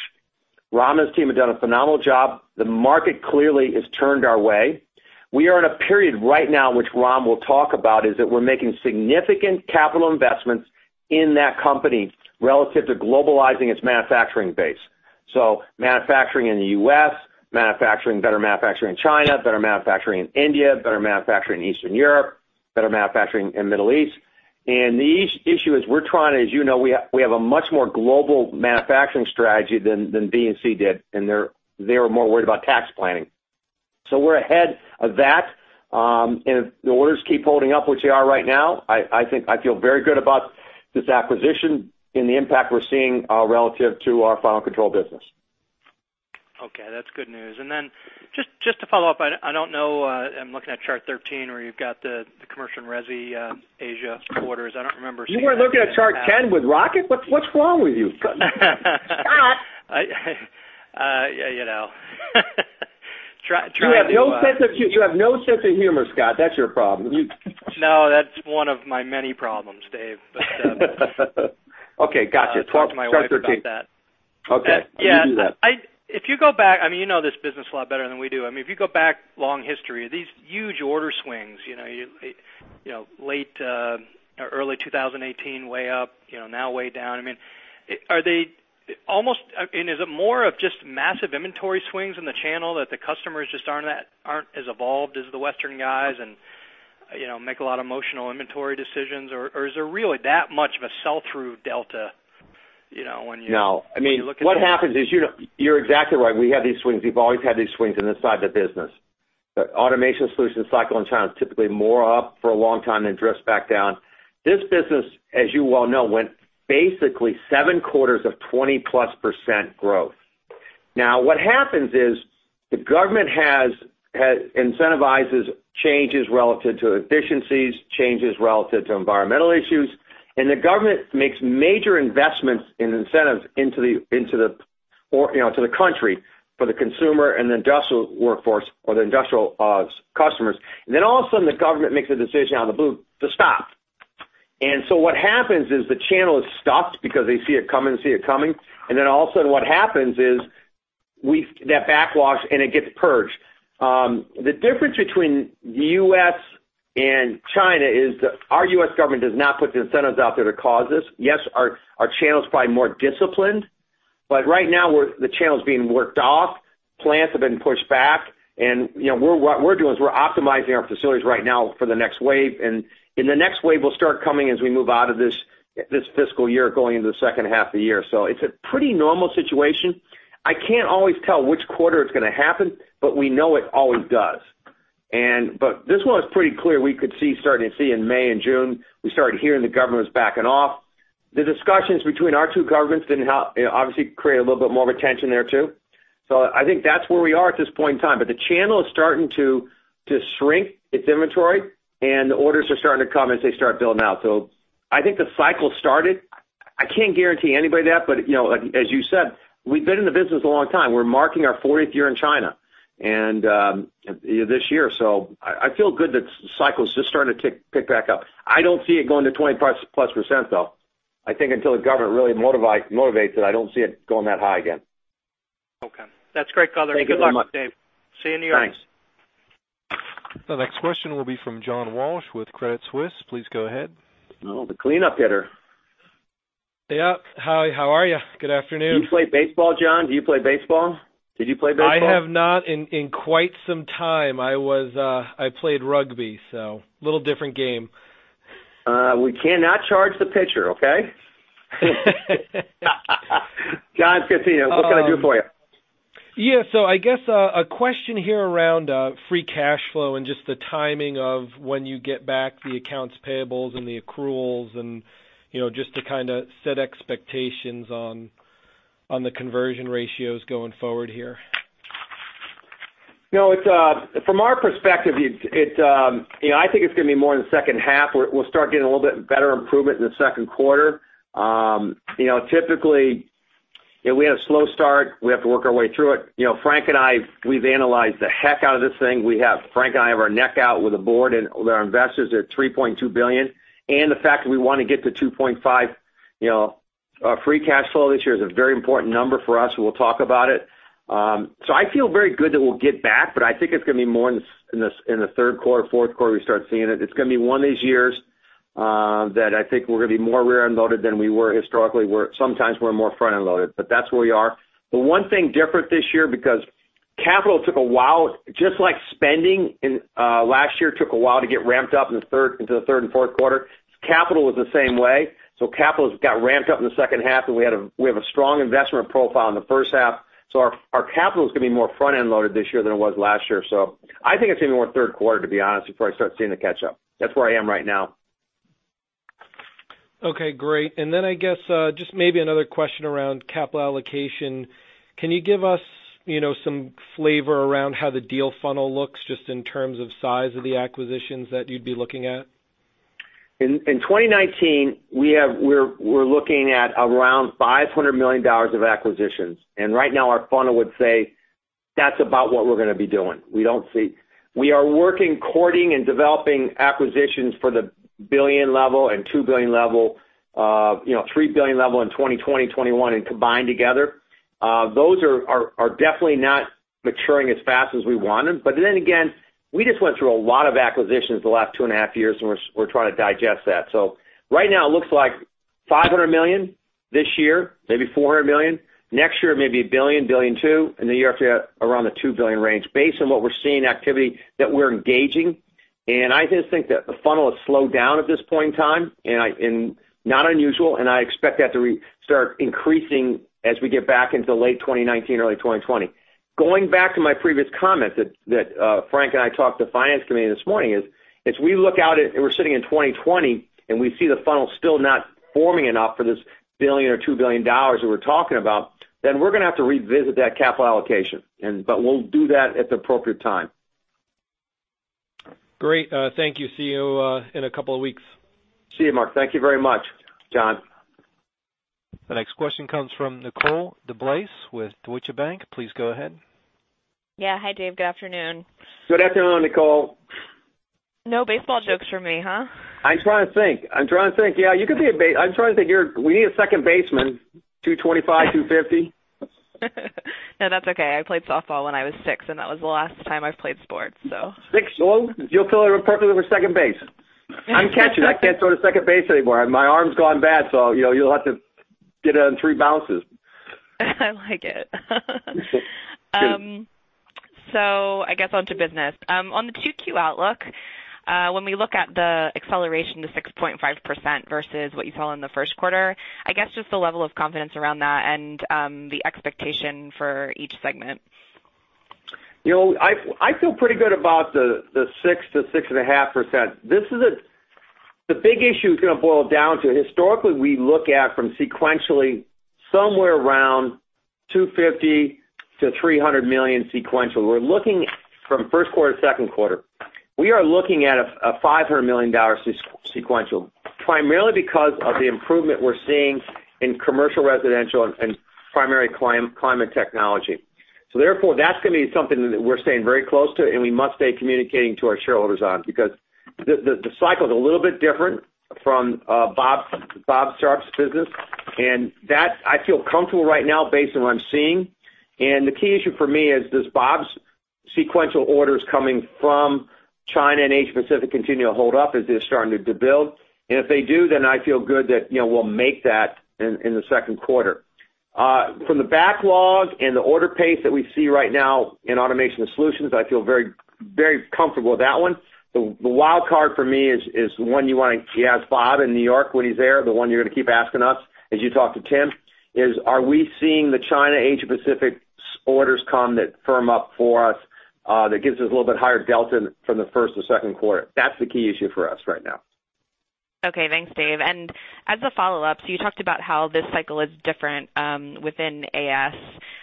Speaker 3: Ram and his team have done a phenomenal job. The market clearly has turned our way. We are in a period right now, which Ram will talk about, is that we're making significant capital investments in that company relative to globalizing its manufacturing base. Manufacturing in the U.S., better manufacturing in China, better manufacturing in India, better manufacturing in Eastern Europe, better manufacturing in Middle East. The issue is we're trying, as you know, we have a much more global manufacturing strategy than B and C did, and they were more worried about tax planning. We're ahead of that. If the orders keep holding up, which they are right now, I feel very good about this acquisition and the impact we're seeing relative to our Final Control business.
Speaker 6: Okay, that's good news. Just to follow up, I don't know, I'm looking at chart 13 where you've got the Commercial and Resi Asia quarters. I don't remember seeing-
Speaker 3: You weren't looking at chart 10 with Rocket? What's wrong with you? You have no sense of humor, Scott. That's your problem.
Speaker 6: No, that's one of my many problems, Dave. But
Speaker 3: Okay, got you. Chart 13.
Speaker 6: I'll talk to my wife about that.
Speaker 3: Okay. You do that.
Speaker 6: If you go back, you know this business a lot better than we do. If you go back long history, these huge order swings, early 2018 way up, now way down. Is it more of just massive inventory swings in the channel that the customers just aren't as evolved as the Western guys and make a lot of emotional inventory decisions? Or is there really that much of a sell-through delta when you look at that?
Speaker 3: No. What happens is, you're exactly right. We have these swings. We've always had these swings in this side of the business. The Automation Solutions cycle in China is typically more up for a long time than drifts back down. This business, as you well know, went basically seven quarters of 20%-plus growth. What happens is the government incentivizes changes relative to efficiencies, changes relative to environmental issues, the government makes major investments in incentives into the country for the consumer and the industrial workforce or the industrial customers. All of a sudden, the government makes a decision out of the blue to stop. What happens is the channel is stopped because they see it coming, and see it coming. All of a sudden what happens is that backlogs and it gets purged. The difference between the U.S. and China is our U.S. government does not put the incentives out there to cause this. Yes, our channel is probably more disciplined, but right now the channel is being worked off. Plants have been pushed back. What we're doing is we're optimizing our facilities right now for the next wave. The next wave will start coming as we move out of this fiscal year going into the second half of the year. It's a pretty normal situation. I can't always tell which quarter it's going to happen, but we know it always does. This one is pretty clear. We could see starting to see in May and June, we started hearing the government was backing off. The discussions between our two governments obviously created a little bit more of a tension there too. I think that's where we are at this point in time. The channel is starting to shrink its inventory, and the orders are starting to come as they start building out. I think the cycle started. I can't guarantee anybody that, as you said, we've been in the business a long time. We're marking our 40th year in China this year. I feel good that the cycle's just starting to pick back up. I don't see it going to 25%+ though. I think until the government really motivates it, I don't see it going that high again.
Speaker 6: Okay. That's great color. Good luck, Dave. See you in New York.
Speaker 3: Thanks.
Speaker 1: The next question will be from John Walsh with Credit Suisse. Please go ahead.
Speaker 3: Oh, the cleanup hitter.
Speaker 7: Yeah. Hi, how are you? Good afternoon.
Speaker 3: Do you play baseball, John? Do you play baseball? Did you play baseball?
Speaker 7: I have not in quite some time. I played rugby, so a little different game.
Speaker 3: We cannot charge the pitcher, okay? John, it's good seeing you. What can I do for you?
Speaker 7: Yeah. I guess a question here around free cash flow and just the timing of when you get back the accounts payables and the accruals and just to kind of set expectations on the conversion ratios going forward here.
Speaker 3: From our perspective, I think it's going to be more in the second half. We'll start getting a little bit better improvement in the second quarter. Typically, we had a slow start. We have to work our way through it. Frank and I, we've analyzed the heck out of this thing. Frank and I have our neck out with the board and our investors at $3.2 billion, and the fact that we want to get to $2.5 free cash flow this year is a very important number for us, and we'll talk about it. I feel very good that we'll get back, but I think it's going to be more in the third quarter, fourth quarter, we start seeing it. It's going to be one of these years that I think we're going to be more rear-end loaded than we were historically. Sometimes we're more front-end loaded, that's where we are. One thing different this year, because capital took a while, just like spending last year took a while to get ramped up into the third and fourth quarter. Capital was the same way. Capital has got ramped up in the second half, and we have a strong investment profile in the first half. Our capital is going to be more front-end loaded this year than it was last year. I think it's going to be more third quarter, to be honest, before I start seeing the catch-up. That's where I am right now.
Speaker 7: Okay, great. Then I guess just maybe another question around capital allocation. Can you give us some flavor around how the deal funnel looks, just in terms of size of the acquisitions that you'd be looking at?
Speaker 3: In 2019, we're looking at around $500 million of acquisitions. Right now our funnel would say that's about what we're going to be doing. We are working, courting, and developing acquisitions for the billion level and $2 billion level, $3 billion level in 2020, 2021, combined together. Those are definitely not maturing as fast as we wanted, but then again, we just went through a lot of acquisitions the last two and a half years, and we're trying to digest that. Right now it looks like $500 million this year, maybe $400 million. Next year, it may be a billion two, and the year after that, around the $2 billion range, based on what we're seeing activity that we're engaging. I just think that the funnel has slowed down at this point in time, not unusual, I expect that to start increasing as we get back into late 2019, early 2020. Going back to my previous comment that Frank and I talked to the finance committee this morning is, as we look out at, we're sitting in 2020, we see the funnel still not forming enough for this billion or $2 billion that we're talking about, we're going to have to revisit that capital allocation. We'll do that at the appropriate time.
Speaker 7: Great. Thank you. See you in a couple of weeks.
Speaker 3: See you, Mark. Thank you very much, John.
Speaker 1: The next question comes from Nicole DeBlase with Deutsche Bank. Please go ahead.
Speaker 8: Yeah. Hi, Dave. Good afternoon.
Speaker 3: Good afternoon, Nicole.
Speaker 8: No baseball jokes for me, huh?
Speaker 3: I'm trying to think. We need a second baseman, 225, 250.
Speaker 8: No, that's okay. I played softball when I was six, and that was the last time I've played sports.
Speaker 3: Six. You'll fill in perfectly for second base. I'm catching. I can't go to second base anymore. My arm's gone bad, so you'll have to get it on three bounces.
Speaker 8: I like it.
Speaker 3: Shoot.
Speaker 8: On the 2Q outlook, when we look at the acceleration to 6.5% versus what you saw in the first quarter, I guess just the level of confidence around that and the expectation for each segment.
Speaker 3: I feel pretty good about the 6%-6.5%. The big issue it's going to boil down to, historically, we look at from sequentially somewhere around $250 million-$300 million sequential. We're looking from first quarter to second quarter. We are looking at a $500 million sequential, primarily because of the improvement we're seeing in commercial, Residential, and primary Climate Technologies. That's going to be something that we're staying very close to and we must stay communicating to our shareholders on, because the cycle is a little bit different from Bob Sharp's business, and that I feel comfortable right now based on what I'm seeing. The key issue for me is, does Bob's sequential orders coming from China and Asia Pacific continue to hold up as they're starting to build? If they do, then I feel good that we'll make that in the second quarter. From the backlog and the order pace that we see right now in Automation Solutions, I feel very comfortable with that one. The wild card for me is the one you ask Bob in New York when he's there, the one you're going to keep asking us as you talk to Tim is, are we seeing the China Asia Pacific orders come that firm up for us that gives us a little bit higher delta from the first to second quarter? That's the key issue for us right now.
Speaker 8: Okay. Thanks, Dave. As a follow-up, you talked about how this cycle is different within A&S.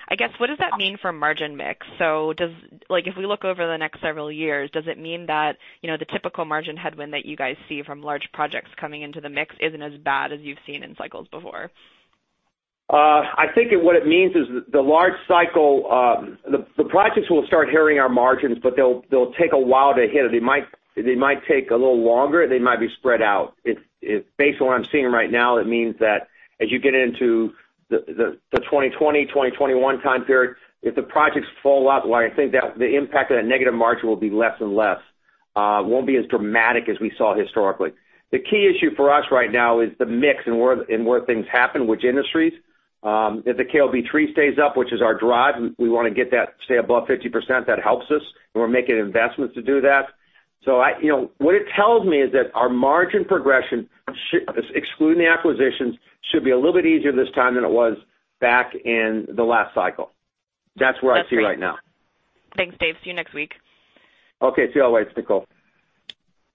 Speaker 8: I guess, what does that mean for margin mix? If we look over the next several years, does it mean that the typical margin headwind that you guys see from large projects coming into the mix isn't as bad as you've seen in cycles before?
Speaker 3: I think what it means is the large cycle, the projects will start hurting our margins, but they'll take a while to hit, or they might take a little longer, they might be spread out. Based on what I'm seeing right now, it means that as you get into the 2020, 2021 time period, if the projects fall out, why I think that the impact of that negative margin will be less and less. Won't be as dramatic as we saw historically. The key issue for us right now is the mix and where things happen, which industries. If the KOB 3 stays up, which is our drive, we want to get that to stay above 50%, that helps us, and we're making investments to do that. What it tells me is that our margin progression, excluding the acquisitions, should be a little bit easier this time than it was back in the last cycle. That's where I see right now.
Speaker 8: That's great. Thanks, Dave. See you next week.
Speaker 3: Okay. See you all, Nicole.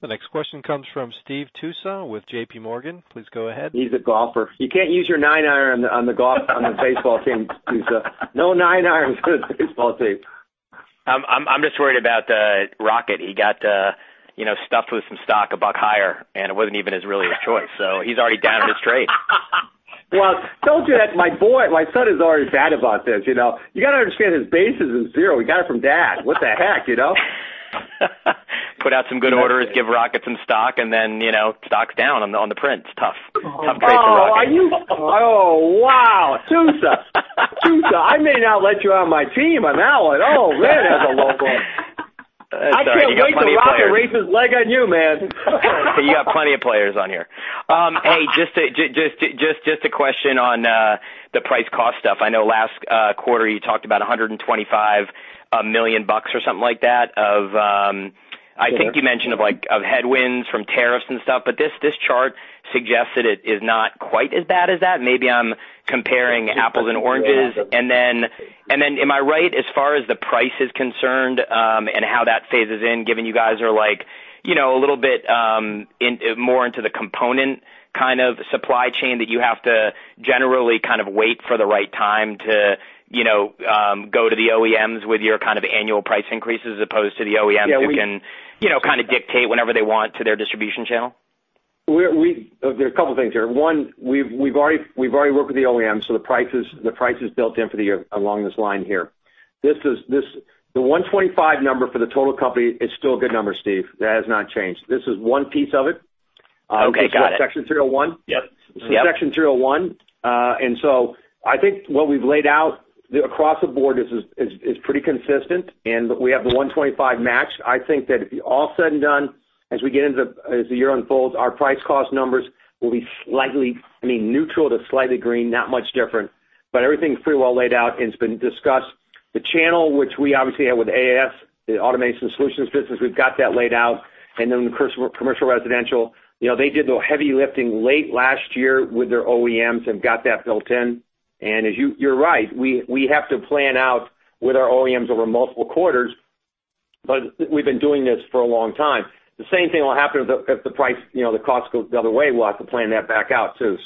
Speaker 1: The next question comes from Steve Tusa with JPMorgan. Please go ahead.
Speaker 3: He's a golfer. You can't use your nine iron on the baseball team, Tusa. No nine irons for the baseball team.
Speaker 9: I'm just worried about Rocket. He got stuffed with some stock a buck higher, and it wasn't even his really his choice. He's already down on his trade.
Speaker 3: Well, I told you that my son has already bragged about this. You got to understand his base is in zero. He got it from dad. What the heck?
Speaker 9: Put out some good orders, give Rocket some stock, Stock's down on the print. It's tough. Tough break for Rocket.
Speaker 3: Oh, wow. Tusa. Tusa, I may not let you on my team on that one. Oh, man, as a local.
Speaker 9: That's all right. You got plenty of players.
Speaker 3: I can't wait till Rocket races leg on you, man.
Speaker 9: You have plenty of players on here. Hey, just a question on the price cost stuff. I know last quarter, you talked about $125 million or something like that.
Speaker 3: Yeah.
Speaker 9: I think you mentioned of headwinds from tariffs and stuff. This chart suggests that it is not quite as bad as that. Maybe I'm comparing apples and oranges. Then, am I right as far as the price is concerned, and how that phases in, given you guys are a little bit more into the component kind of supply chain that you have to generally kind of wait for the right time to go to the OEMs with your kind of annual price increases as opposed to the OEMs.
Speaker 3: Yeah.
Speaker 9: Kind of dictate whatever they want to their distribution channel?
Speaker 3: There are a couple of things here. One, we've already worked with the OEMs, the price is built in for the year along this line here. The 125 number for the total company is still a good number, Steve. That has not changed. This is one piece of it.
Speaker 9: Okay, got it.
Speaker 3: This is Section 301.
Speaker 9: Yep.
Speaker 3: This is Section 301. I think what we've laid out across the board is pretty consistent, we have the 125 matched. I think that if all is said and done, as the year unfolds, our price cost numbers will be neutral to slightly green, not much different. Everything's pretty well laid out, and it's been discussed. The channel, which we obviously have with A&S, the Automation Solutions business, we've got that laid out. Then Commercial Residential. They did the heavy lifting late last year with their OEMs and got that built in. You're right, we have to plan out with our OEMs over multiple quarters, but we've been doing this for a long time. The same thing will happen if the cost goes the other way. We'll have to plan that back out, too.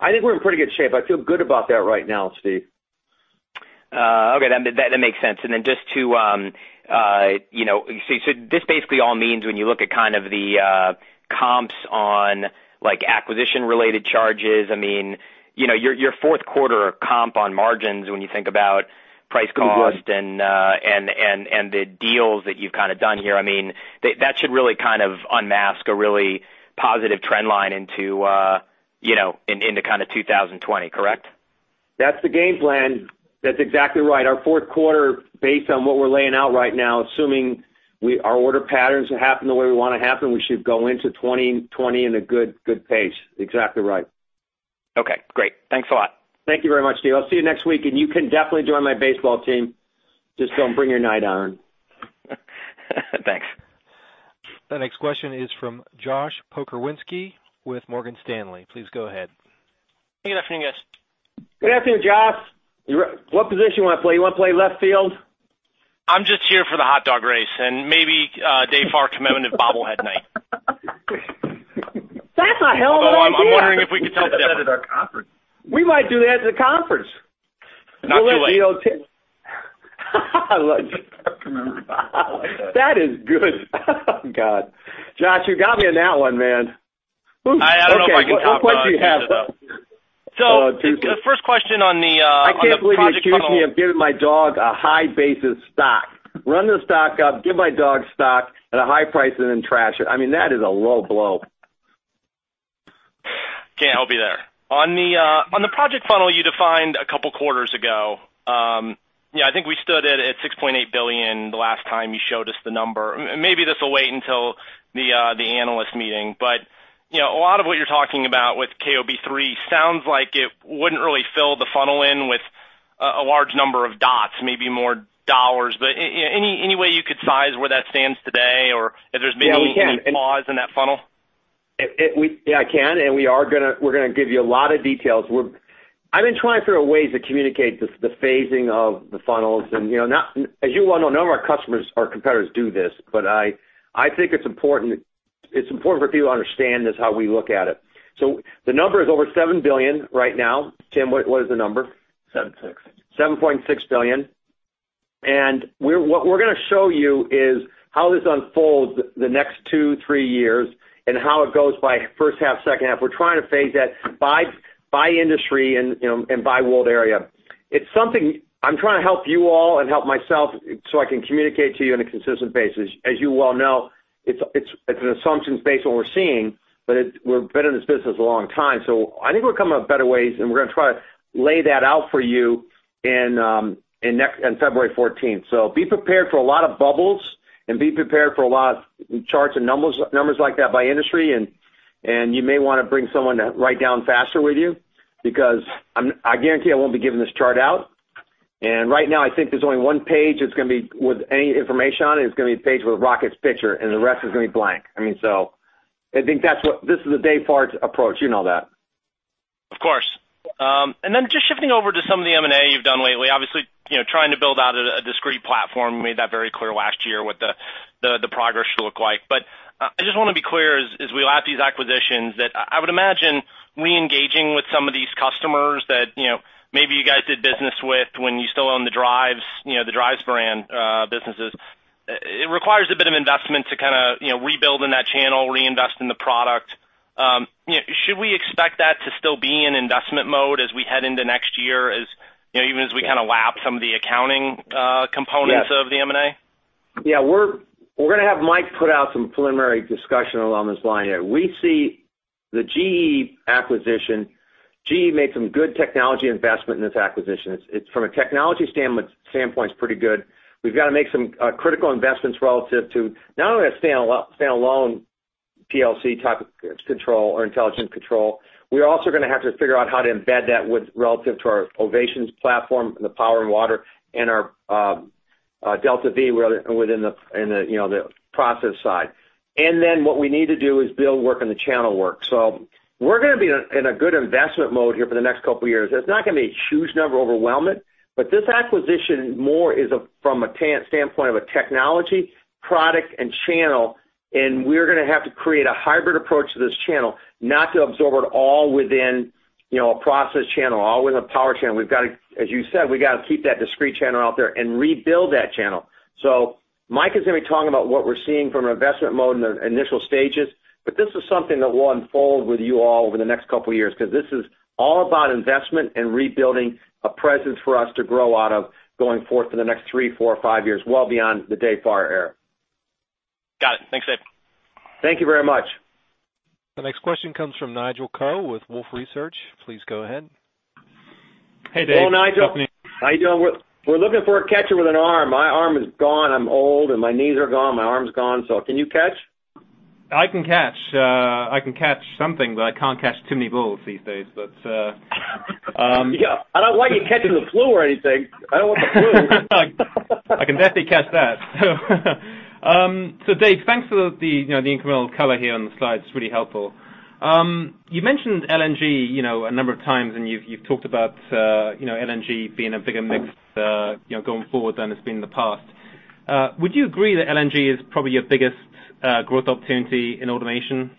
Speaker 3: I think we're in pretty good shape. I feel good about that right now, Steve.
Speaker 9: Okay. That makes sense. This basically all means when you look at kind of the comps on acquisition related charges, your fourth quarter comp on margins, when you think about price cost, and the deals that you've kind of done here, that should really kind of unmask a really positive trend line into 2020, correct?
Speaker 3: That's the game plan. That's exactly right. Our fourth quarter, based on what we're laying out right now, assuming our order patterns happen the way we want to happen, we should go into 2020 in a good pace. Exactly right.
Speaker 9: Okay, great. Thanks a lot.
Speaker 3: Thank you very much, Steve. I'll see you next week, and you can definitely join my baseball team. Just don't bring your nine iron.
Speaker 9: Thanks.
Speaker 1: The next question is from Josh Pokrzywinski with Morgan Stanley. Please go ahead.
Speaker 10: Good afternoon, guys.
Speaker 3: Good afternoon, Josh. What position you want to play? You want to play left field?
Speaker 10: I'm just here for the hot dog race and maybe Dave Farr commemorative bobblehead night.
Speaker 3: That's a hell of an idea.
Speaker 10: I'm wondering if we could talk about
Speaker 3: We might do that at the conference.
Speaker 10: Not too late.
Speaker 3: I love it. That is good. Oh, God. Josh, you got me on that one, man. Okay. What part do you have, though?
Speaker 10: The first question on the project funnel.
Speaker 3: I can't believe you accused me of giving my dog a high basis stock. Run the stock up, give my dog stock at a high price, then trash it. I mean, that is a low blow.
Speaker 10: Can't help you there. On the project funnel you defined a couple of quarters ago, I think we stood at $6.8 billion the last time you showed us the number. Maybe this will wait until the analyst meeting, a lot of what you're talking about with KOB III sounds like it wouldn't really fill the funnel in with a large number of dots, maybe more dollars. Any way you could size where that stands today, or if there's been any pause in that funnel?
Speaker 3: Yeah, I can, we're going to give you a lot of details. I've been trying to figure out ways to communicate the phasing of the funnels, as you well know, none of our competitors do this, I think it's important for people to understand this, how we look at it. The number is over $7 billion right now. Tim, what is the number?
Speaker 2: 7.6.
Speaker 3: $7.6 billion, what we're going to show you is how this unfolds the next two, three years, how it goes by first half, second half. We're trying to phase that by industry and by world area. I'm trying to help you all and help myself so I can communicate to you on a consistent basis. As you well know, it's an assumption based on what we're seeing, we've been in this business a long time, I think we're coming up with better ways, we're going to try to lay that out for you on February 14th. Be prepared for a lot of bubbles and be prepared for a lot of charts and numbers like that by industry, and you may want to bring someone that write down faster with you, because I guarantee I won't be giving this chart out. Right now, I think there's only one page that's going to be with any information on it. It's going to be a page with Rocket's picture, and the rest is going to be blank. I think this is the Dave Farr approach. You know that.
Speaker 10: Of course. Then just shifting over to some of the M&A you've done lately. Obviously, trying to build out a discrete platform. Made that very clear last year what the progress should look like. I just want to be clear, as we lap these acquisitions that I would imagine re-engaging with some of these customers that maybe you guys did business with when you still owned the drives brand businesses. It requires a bit of investment to kind of rebuild in that channel, reinvest in the product. Should we expect that to still be in investment mode as we head into next year, even as we kind of lap some of the accounting components of the M&A?
Speaker 3: Yes. Yeah. We're going to have Mike put out some preliminary discussion along this line here. We see the GE acquisition. GE made some good technology investment in this acquisition. From a technology standpoint, it's pretty good. We've got to make some critical investments relative to not only a standalone PLC type of control or intelligent control. We're also going to have to figure out how to embed that relative to our Ovation platform in the power and water and our DeltaV within the process side. Then what we need to do is build work on the channel work. We're going to be in a good investment mode here for the next couple of years. It's not going to be a huge number, overwhelming. This acquisition more is from a standpoint of a technology, product, and channel, and we're going to have to create a hybrid approach to this channel, not to absorb it all within a process channel, all within a power channel. As you said, we got to keep that discrete channel out there and rebuild that channel. Mike is going to be talking about what we're seeing from an investment mode in the initial stages, but this is something that will unfold with you all over the next couple of years because this is all about investment and rebuilding a presence for us to grow out of going forward for the next three, four, or five years, well beyond the Dave Farr era.
Speaker 10: Got it. Thanks, Dave.
Speaker 3: Thank you very much.
Speaker 1: The next question comes from Nigel Coe with Wolfe Research. Please go ahead.
Speaker 11: Hey, Dave.
Speaker 3: Hello, Nigel. How you doing? We're looking for a catcher with an arm. My arm is gone. I'm old, and my knees are gone, my arm's gone. Can you catch?
Speaker 11: I can catch. I can catch something, I can't catch too many balls these days.
Speaker 3: Yeah. I don't want you catching the flu or anything. I don't want the flu.
Speaker 11: I can definitely catch that. Dave, thanks for the incremental color here on the slides. It's really helpful. You mentioned LNG a number of times, and you've talked about LNG being a bigger mix going forward than it's been in the past. Would you agree that LNG is probably your biggest growth opportunity in automation?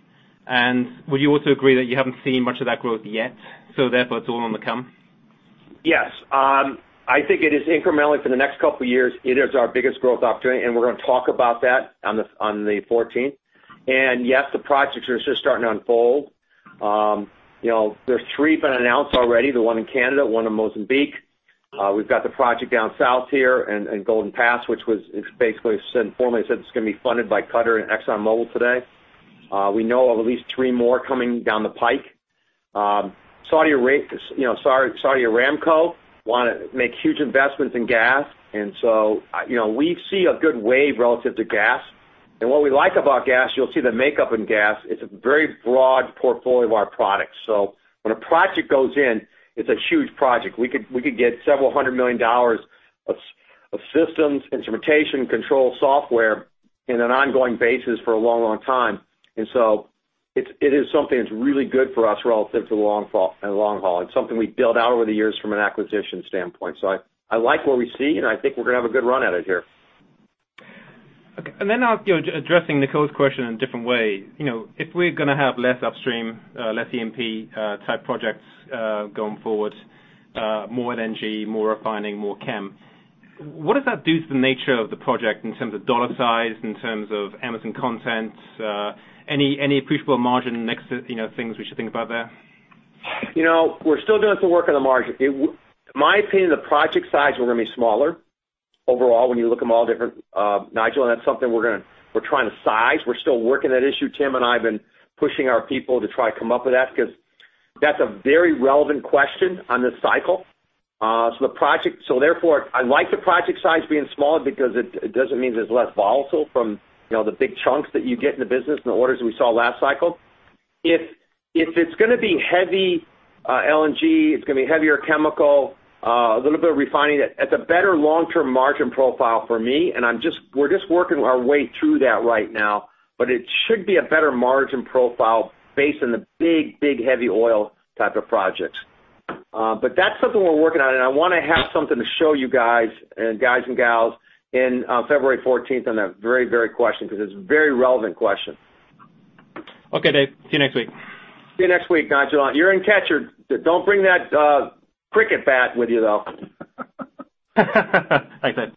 Speaker 11: Would you also agree that you haven't seen much of that growth yet, so therefore it's all on the come?
Speaker 3: Yes. I think it is incrementally for the next couple of years. It is our biggest growth opportunity, and we're going to talk about that on the 14th. Yes, the projects are just starting to unfold. There's three been announced already, the one in Canada, one in Mozambique. We've got the project down south here in Golden Pass, which was basically formally said it's going to be funded by Qatar and ExxonMobil today. We know of at least three more coming down the pipe. Saudi Aramco want to make huge investments in gas. We see a good wave relative to gas. What we like about gas, you'll see the makeup in gas, it's a very broad portfolio of our products. When a project goes in, it's a huge project. We could get several hundred million dollars of systems, instrumentation, control software in an ongoing basis for a long, long time. It is something that's really good for us relative to the long haul. It's something we've built out over the years from an acquisition standpoint. I like what we see, and I think we're going to have a good run at it here.
Speaker 11: Okay. Addressing Nicole's question in a different way. If we're going to have less upstream, less E&P type projects going forward, more LNG, more refining, more chem, what does that do to the nature of the project in terms of dollar size, in terms of Emerson content? Any appreciable margin next things we should think about there?
Speaker 3: We're still doing some work on the margin. My opinion, the project size are going to be smaller overall when you look at them all different, Nigel. That's something we're trying to size. We're still working that issue. Tim and I have been pushing our people to try to come up with that because that's a very relevant question on this cycle. Therefore, I like the project size being smaller because it doesn't mean there's less volatile from the big chunks that you get in the business and the orders we saw last cycle. If it's going to be heavy LNG, it's going to be heavier chemical, a little bit of refining, it has the better long-term margin profile for me. We're just working our way through that right now. It should be a better margin profile based on the big heavy oil type of projects. That's something we're working on, and I want to have something to show you guys and gals in February 14th on that very question because it's a very relevant question.
Speaker 11: Okay, Dave. See you next week.
Speaker 3: See you next week, Nigel. You're in catcher. Don't bring that cricket bat with you, though.
Speaker 11: Bye, Dave.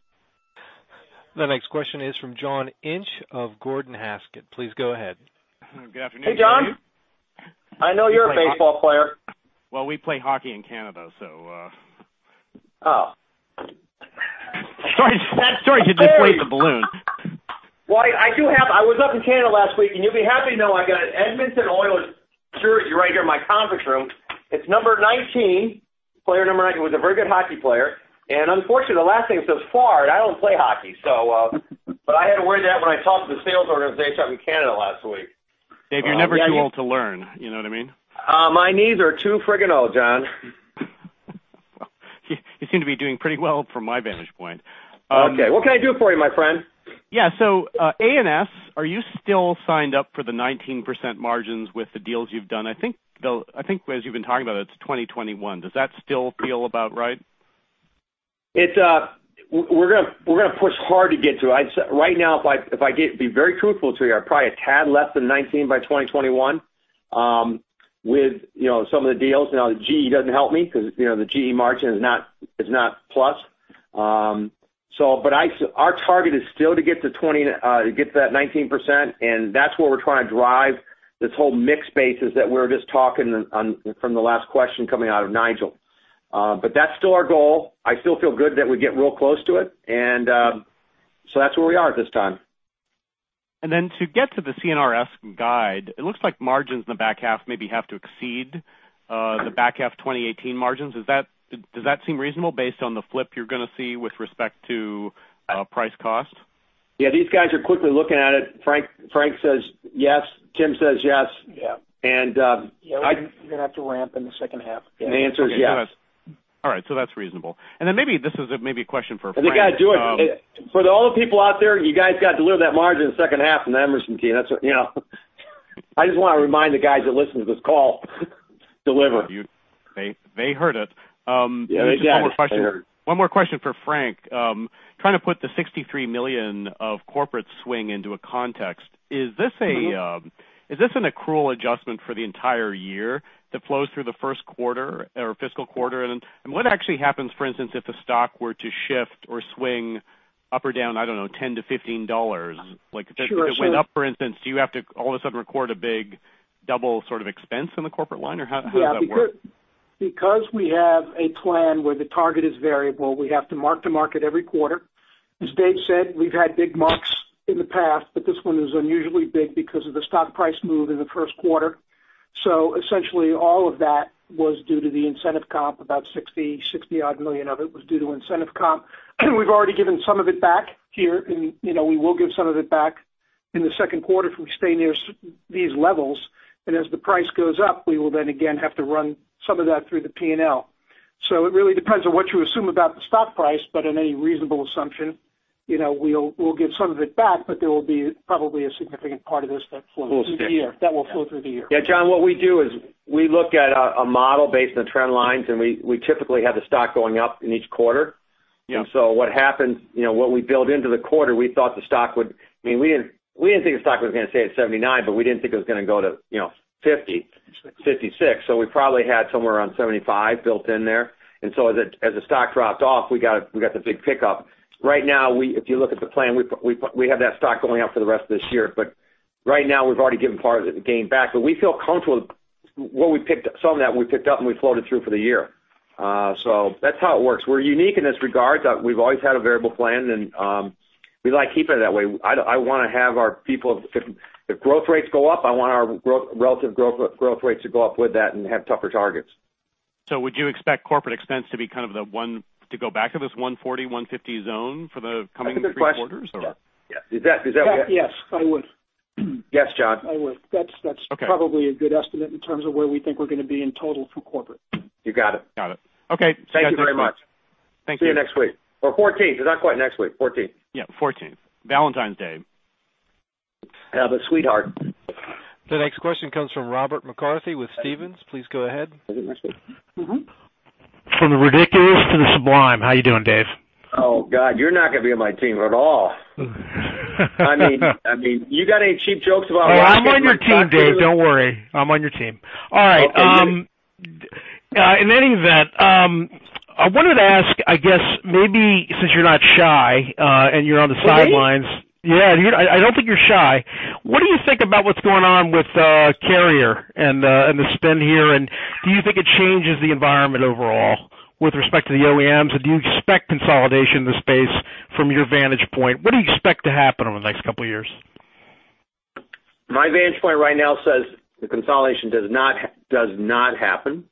Speaker 1: The next question is from John Inch of Gordon Haskett. Please go ahead.
Speaker 12: Good afternoon to you.
Speaker 3: Hey, John. I know you're a baseball player.
Speaker 12: Well, we play hockey in Canada, so
Speaker 3: Oh.
Speaker 12: Sorry to deflate the balloon.
Speaker 3: Well, I was up in Canada last week, you'll be happy to know I got an Edmonton Oilers shirt right here in my conference room. It's number 19. Player number 19 was a very good hockey player. Unfortunately, the last name says Farr, and I don't play hockey. I had to wear that when I talked to the sales organization up in Canada last week.
Speaker 12: Dave, you're never too old to learn. You know what I mean?
Speaker 3: My knees are too freaking old, John.
Speaker 12: You seem to be doing pretty well from my vantage point.
Speaker 3: Okay. What can I do for you, my friend?
Speaker 12: A&S, are you still signed up for the 19% margins with the deals you've done? I think as you've been talking about it's 2021. Does that still feel about right?
Speaker 3: We're going to push hard to get to it. Right now, if I could be very truthful to you, I'd probably a tad less than 19% by 2021 with some of the deals. GE doesn't help me because the GE margin is not plus. Our target is still to get to that 19%, and that's where we're trying to drive this whole mix basis that we were just talking from the last question coming out of Nigel. That's still our goal. I still feel good that we get real close to it. That's where we are at this time.
Speaker 12: To get to the C&RS guide, it looks like margins in the back half maybe have to exceed the back half of 2018 margins. Does that seem reasonable based on the flip you're going to see with respect to price cost?
Speaker 3: Yeah, these guys are quickly looking at it. Frank says yes, Tim says yes.
Speaker 13: Yeah.
Speaker 3: And-
Speaker 13: You're going to have to ramp in the second half.
Speaker 3: The answer is yes.
Speaker 12: All right. That's reasonable. Maybe this is maybe a question for Frank.
Speaker 3: For all the people out there, you guys got to deliver that margin in the second half from the Emerson team. I just want to remind the guys that listen to this call, deliver.
Speaker 12: They heard it.
Speaker 3: Yeah, they got it.
Speaker 12: One more question for Frank. Trying to put the $63 million of corporate swing into a context. Is this an accrual adjustment for the entire year that flows through the first quarter or fiscal quarter? What actually happens, for instance, if the stock were to shift or swing up or down, I don't know, $10-$15?
Speaker 13: Sure.
Speaker 12: If it went up, for instance, do you have to all of a sudden record a big double sort of expense in the corporate line? How does that work?
Speaker 13: Because we have a plan where the target is variable, we have to mark to market every quarter. As Dave said, we've had big marks in the past, but this one is unusually big because of the stock price move in the first quarter. Essentially, all of that was due to the incentive comp. About $60 odd million of it was due to incentive comp. We've already given some of it back here, and we will give some of it back in the second quarter if we stay near these levels. As the price goes up, we will then again have to run some of that through the P&L. It really depends on what you assume about the stock price. In any reasonable assumption, we'll give some of it back, but there will be probably a significant part of this that will flow through the year.
Speaker 3: Yeah, John, what we do is we look at a model based on trend lines, we typically have the stock going up in each quarter.
Speaker 13: Yeah.
Speaker 3: What happens, what we build into the quarter, we didn't think the stock was going to stay at $79, but we didn't think it was going to go to $50, $56. We probably had somewhere around $75 built in there. As the stock dropped off, we got the big pickup. Right now, if you look at the plan, we have that stock going up for the rest of this year, but right now we've already given part of the gain back. We feel comfortable with some of that we picked up and we floated through for the year. That's how it works. We're unique in this regard, that we've always had a variable plan, and we like keeping it that way. If growth rates go up, I want our relative growth rates to go up with that and have tougher targets.
Speaker 12: Would you expect corporate expense to be kind of the one to go back to this $140, $150 zone for the coming three quarters?
Speaker 3: That's a good question.
Speaker 13: Yeah.
Speaker 3: Is that what-
Speaker 13: Yes, I would.
Speaker 3: Yes, John.
Speaker 13: I would.
Speaker 12: Okay.
Speaker 13: That's probably a good estimate in terms of where we think we're going to be in total for corporate.
Speaker 3: You got it.
Speaker 12: Got it. Okay.
Speaker 3: Thank you very much.
Speaker 12: Thank you.
Speaker 3: See you next week. 14th. It's not quite next week, 14th.
Speaker 12: Yeah, 14th. Valentine's Day.
Speaker 3: Have a sweetheart.
Speaker 1: The next question comes from Robert McCarthy with Stephens. Please go ahead.
Speaker 13: Is it next week?
Speaker 14: From the ridiculous to the sublime. How you doing, Dave?
Speaker 3: Oh, God. You're not going to be on my team at all. You got any cheap jokes about-
Speaker 14: Oh, I'm on your team, Dave. Don't worry. I'm on your team. All right.
Speaker 3: Okay.
Speaker 14: In any event, I wanted to ask, I guess maybe since you're not shy, and you're on the sidelines.
Speaker 3: Me?
Speaker 14: Yeah. I don't think you're shy. What do you think about what's going on with Carrier and the spend here? Do you think it changes the environment overall with respect to the OEMs? Do you expect consolidation in the space from your vantage point? What do you expect to happen over the next couple of years?
Speaker 3: My vantage point right now says the consolidation does not happen.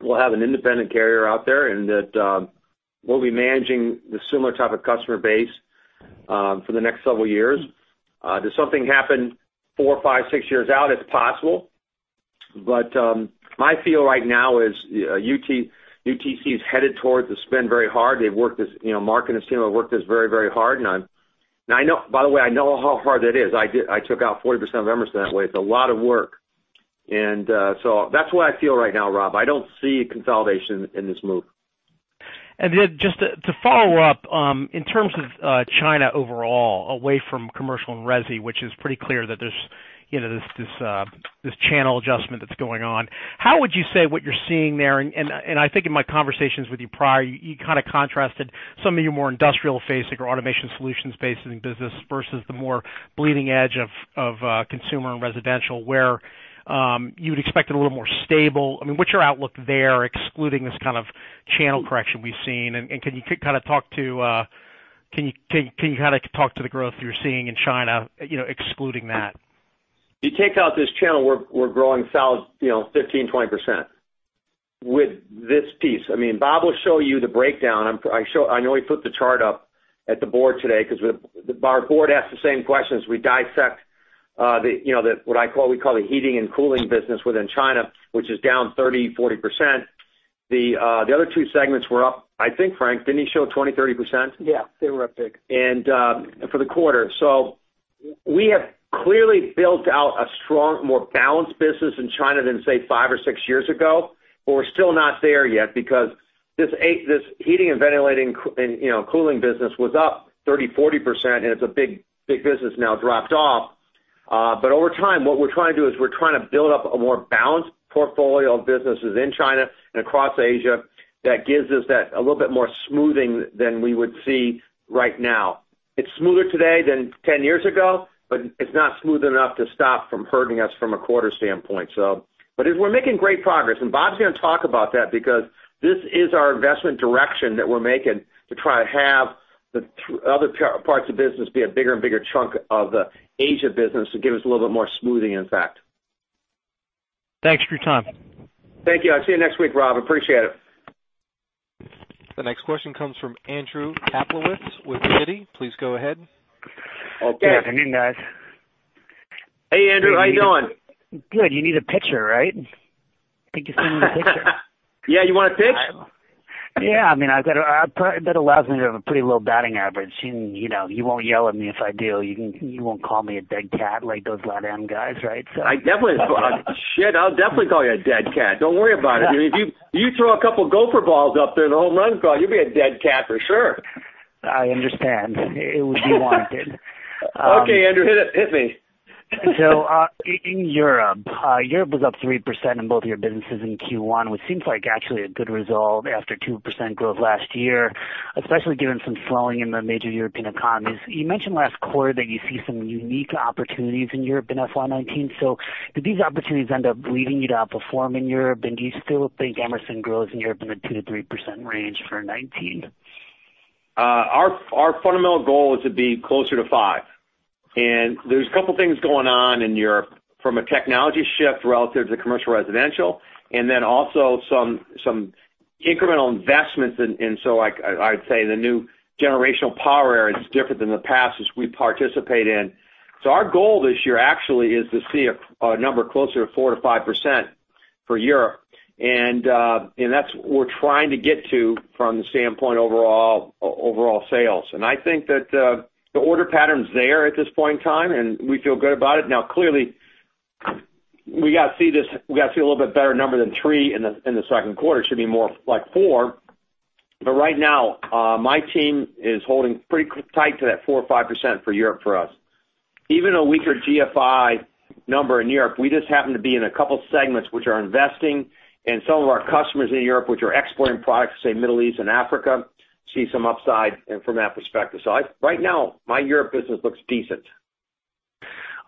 Speaker 3: We'll have an independent Carrier out there, that we'll be managing the similar type of customer base for the next several years. Does something happen four, five, six years out? It's possible. My feel right now is UTC is headed towards the spend very hard. Mark and his team have worked this very, very hard. By the way, I know how hard that is. I took out 40% of Emerson that way. It's a lot of work. That's what I feel right now, Rob. I don't see consolidation in this move.
Speaker 14: Just to follow up, in terms of China overall, away from commercial and Resi, which is pretty clear that there's this channel adjustment that's going on. How would you say what you're seeing there, and I think in my conversations with you prior, you kind of contrasted some of your more industrial facing or Automation Solutions facing business versus the more bleeding edge of consumer and Residential, where you would expect it a little more stable. What's your outlook there, excluding this kind of channel correction we've seen? Can you kind of talk to the growth you're seeing in China excluding that?
Speaker 3: You take out this channel, we're growing 15%, 20%. With this piece. Bob will show you the breakdown. I know he put the chart up at the board today because our board asked the same question as we dissect what we call the heating and cooling business within China, which is down 30%, 40%. The other two segments were up, I think, Frank, didn't he show 20%, 30%?
Speaker 13: Yeah. They were up big.
Speaker 3: For the quarter. We have clearly built out a strong, more balanced business in China than, say, five or six years ago. We're still not there yet because this heating and ventilating and cooling business was up 30%, 40%, and it's a big business now dropped off. Over time, what we're trying to do is we're trying to build up a more balanced portfolio of businesses in China and across Asia that gives us that a little bit more smoothing than we would see right now. It's smoother today than 10 years ago, but it's not smooth enough to stop from hurting us from a quarter standpoint. We're making great progress, and Bob's going to talk about that because this is our investment direction that we're making to try to have the other parts of business be a bigger and bigger chunk of the Asia business to give us a little bit more smoothing impact.
Speaker 14: Thanks for your time.
Speaker 3: Thank you. I'll see you next week, Rob. Appreciate it.
Speaker 1: The next question comes from Andrew Kaplowitz with Citi. Please go ahead.
Speaker 3: Okay.
Speaker 15: Good afternoon, guys.
Speaker 3: Hey, Andrew. How you doing?
Speaker 15: Good. You need a pitcher, right? I think you need me as pitcher.
Speaker 3: Yeah, you want to pitch?
Speaker 15: Yeah. That allows me to have a pretty low batting average. You won't yell at me if I do. You won't call me a dead cat like those LatAm guys, right?
Speaker 3: Shit, I'll definitely call you a dead cat. Don't worry about it. If you throw a couple gopher balls up there in the home run trot, you'll be a dead cat for sure.
Speaker 15: I understand. It would be warranted.
Speaker 3: Okay, Andrew, hit me.
Speaker 15: In Europe. Europe was up 3% in both of your businesses in Q1, which seems like actually a good result after 2% growth last year, especially given some slowing in the major European economies. You mentioned last quarter that you see some unique opportunities in Europe in FY 2019. Did these opportunities end up leading you to outperform in Europe? Do you still think Emerson grows in Europe in the 2%-3% range for 2019?
Speaker 3: Our fundamental goal is to be closer to 5%. There's a couple of things going on in Europe from a technology shift relative to commercial Residential and then also some incremental investments. I'd say the new generational power area is different than the past as we participate in. Our goal this year actually is to see a number closer to 4%-5% for Europe. That's what we're trying to get to from the standpoint overall sales. I think that the order pattern is there at this point in time, and we feel good about it. Clearly, we got to see a little bit better number than 3% in the second quarter. It should be more like 4%. Right now, my team is holding pretty tight to that 4% or 5% for Europe for us. Even a weaker IFO number in Europe, we just happen to be in a couple segments which are investing, and some of our customers in Europe which are exporting products to, say, Middle East and Africa, see some upside and from that perspective. Right now, my Europe business looks decent.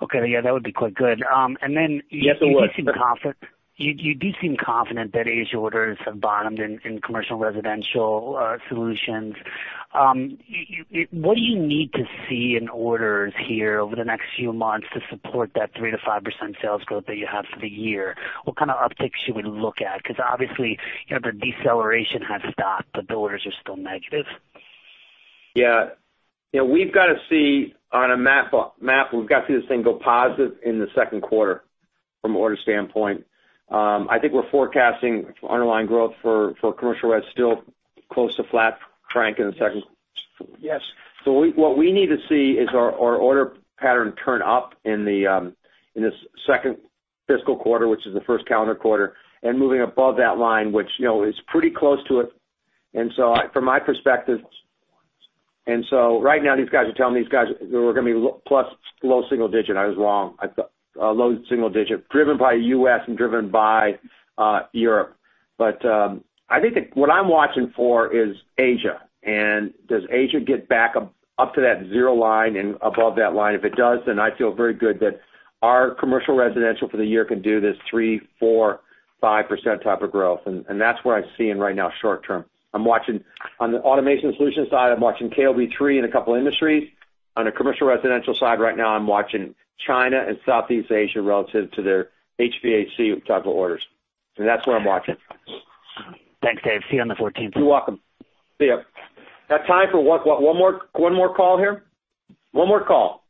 Speaker 15: Okay. Yeah, that would be quite good.
Speaker 3: Yes, it would.
Speaker 15: You do seem confident that Asia orders have bottomed in Commercial & Residential Solutions. What do you need to see in orders here over the next few months to support that 3%-5% sales growth that you have for the year? What kind of uptick should we look at? Obviously, the deceleration has stopped, but the orders are still negative.
Speaker 3: Yeah. We've got to see on a map, we've got to see this thing go positive in the second quarter from order standpoint. I think we're forecasting underlying growth for Commercial res still close to flat, Frank, in the second quarter.
Speaker 13: Yes.
Speaker 3: What we need to see is our order pattern turn up in this second fiscal quarter, which is the first calendar quarter, and moving above that line, which is pretty close to it. From my perspective, right now these guys are telling me we're going to be + low single digit. I was wrong. A low single digit, driven by U.S. and driven by Europe. I think that what I'm watching for is Asia, and does Asia get back up to that zero line and above that line? If it does, then I feel very good that our Commercial & Residential Solutions for the year can do this 3%, 4%, 5% type of growth. That's where I'm seeing right now short term. On the Automation Solutions side, I'm watching KOB 3 in a couple industries. On the Commercial & Residential Solutions side right now I'm watching China and Southeast Asia relative to their HVAC type of orders. That's where I'm watching.
Speaker 15: Thanks, Dave. See you on the 14th.
Speaker 3: You're welcome. See you. Have time for one more call here? One more call.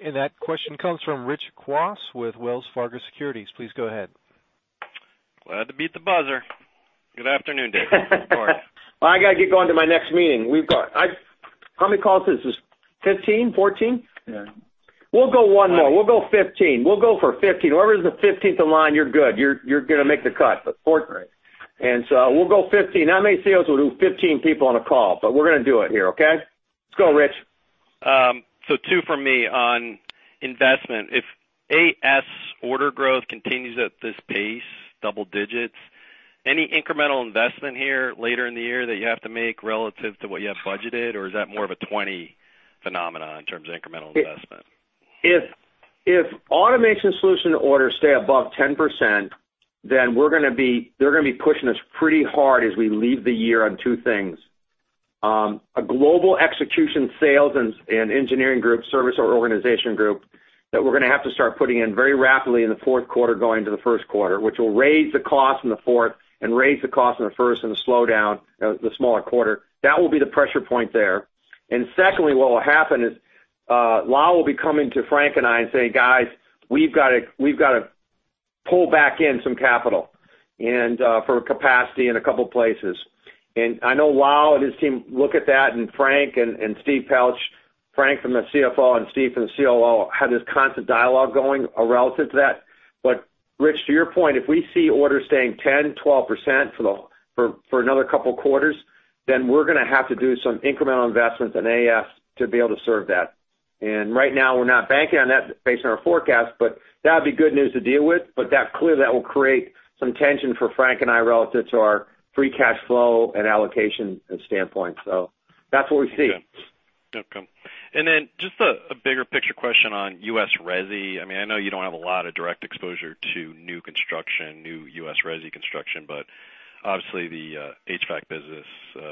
Speaker 1: That question comes from Rich Kwas with Wells Fargo Securities. Please go ahead.
Speaker 16: Glad to beat the buzzer. Good afternoon, Dave. Of course.
Speaker 3: I got to get going to my next meeting. How many calls is this? 15? 14?
Speaker 13: Yeah.
Speaker 3: We'll go one more. We'll go 15. We'll go for 15. Whoever's the 15th in line, you're good. You're going to make the cut. The 14th. So we'll go 15. Not many CEOs will do 15 people on a call, but we're going to do it here, okay? Let's go, Rich.
Speaker 16: Two from me on investment. If A&S order growth continues at this pace, double digits, any incremental investment here later in the year that you have to make relative to what you have budgeted? Or is that more of a 2020 phenomenon in terms of incremental investment?
Speaker 3: If Automation Solutions orders stay above 10%, they're going to be pushing us pretty hard as we leave the year on two things: a global execution sales and engineering group service organization group that we're going to have to start putting in very rapidly in the fourth quarter going into the first quarter, which will raise the cost in the fourth and raise the cost in the first and slow down the smaller quarter. That will be the pressure point there. Secondly, what will happen is, Lyle will be coming to Frank and I and saying, "Guys, we've got to pull back in some capital for capacity in a couple of places." I know Lyle and his team look at that, and Frank and Steve Pelch, Frank from the CFO and Steve from the COO, have this constant dialogue going relative to that. Rich, to your point, if we see orders staying 10%-12% for another couple of quarters, then we're going to have to do some incremental investments in A&S to be able to serve that. Right now, we're not banking on that based on our forecast, but that'd be good news to deal with. That clearly will create some tension for Frank and I relative to our free cash flow and allocation standpoint. That's what we see.
Speaker 16: Okay. Then just a bigger picture question on U.S. Resi. I know you don't have a lot of direct exposure to new construction, new U.S. Resi construction, but obviously the HVAC business is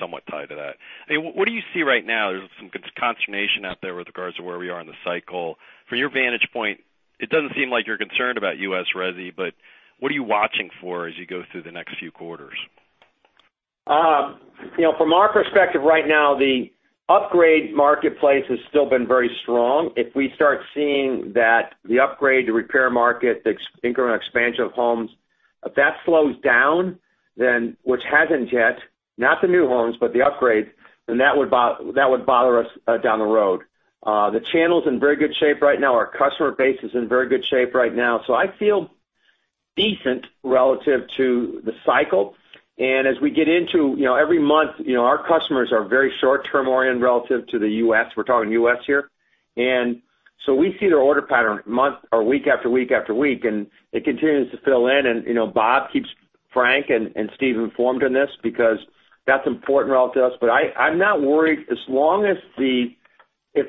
Speaker 16: somewhat tied to that. What do you see right now? There's some consternation out there with regards to where we are in the cycle. From your vantage point, it doesn't seem like you're concerned about U.S. Resi, but what are you watching for as you go through the next few quarters?
Speaker 3: From our perspective right now, the upgrade marketplace has still been very strong. If we start seeing that the upgrade, the repair market, the incremental expansion of homes, if that slows down, which hasn't yet, not the new homes, but the upgrades, then that would bother us down the road. The channel's in very good shape right now. Our customer base is in very good shape right now. I feel decent relative to the cycle. As we get into every month, our customers are very short-term oriented relative to the U.S. We're talking U.S. here. We see their order pattern week after week after week, and it continues to fill in. Bob keeps Frank and Steve informed on this because that's important relative to us. I'm not worried. If the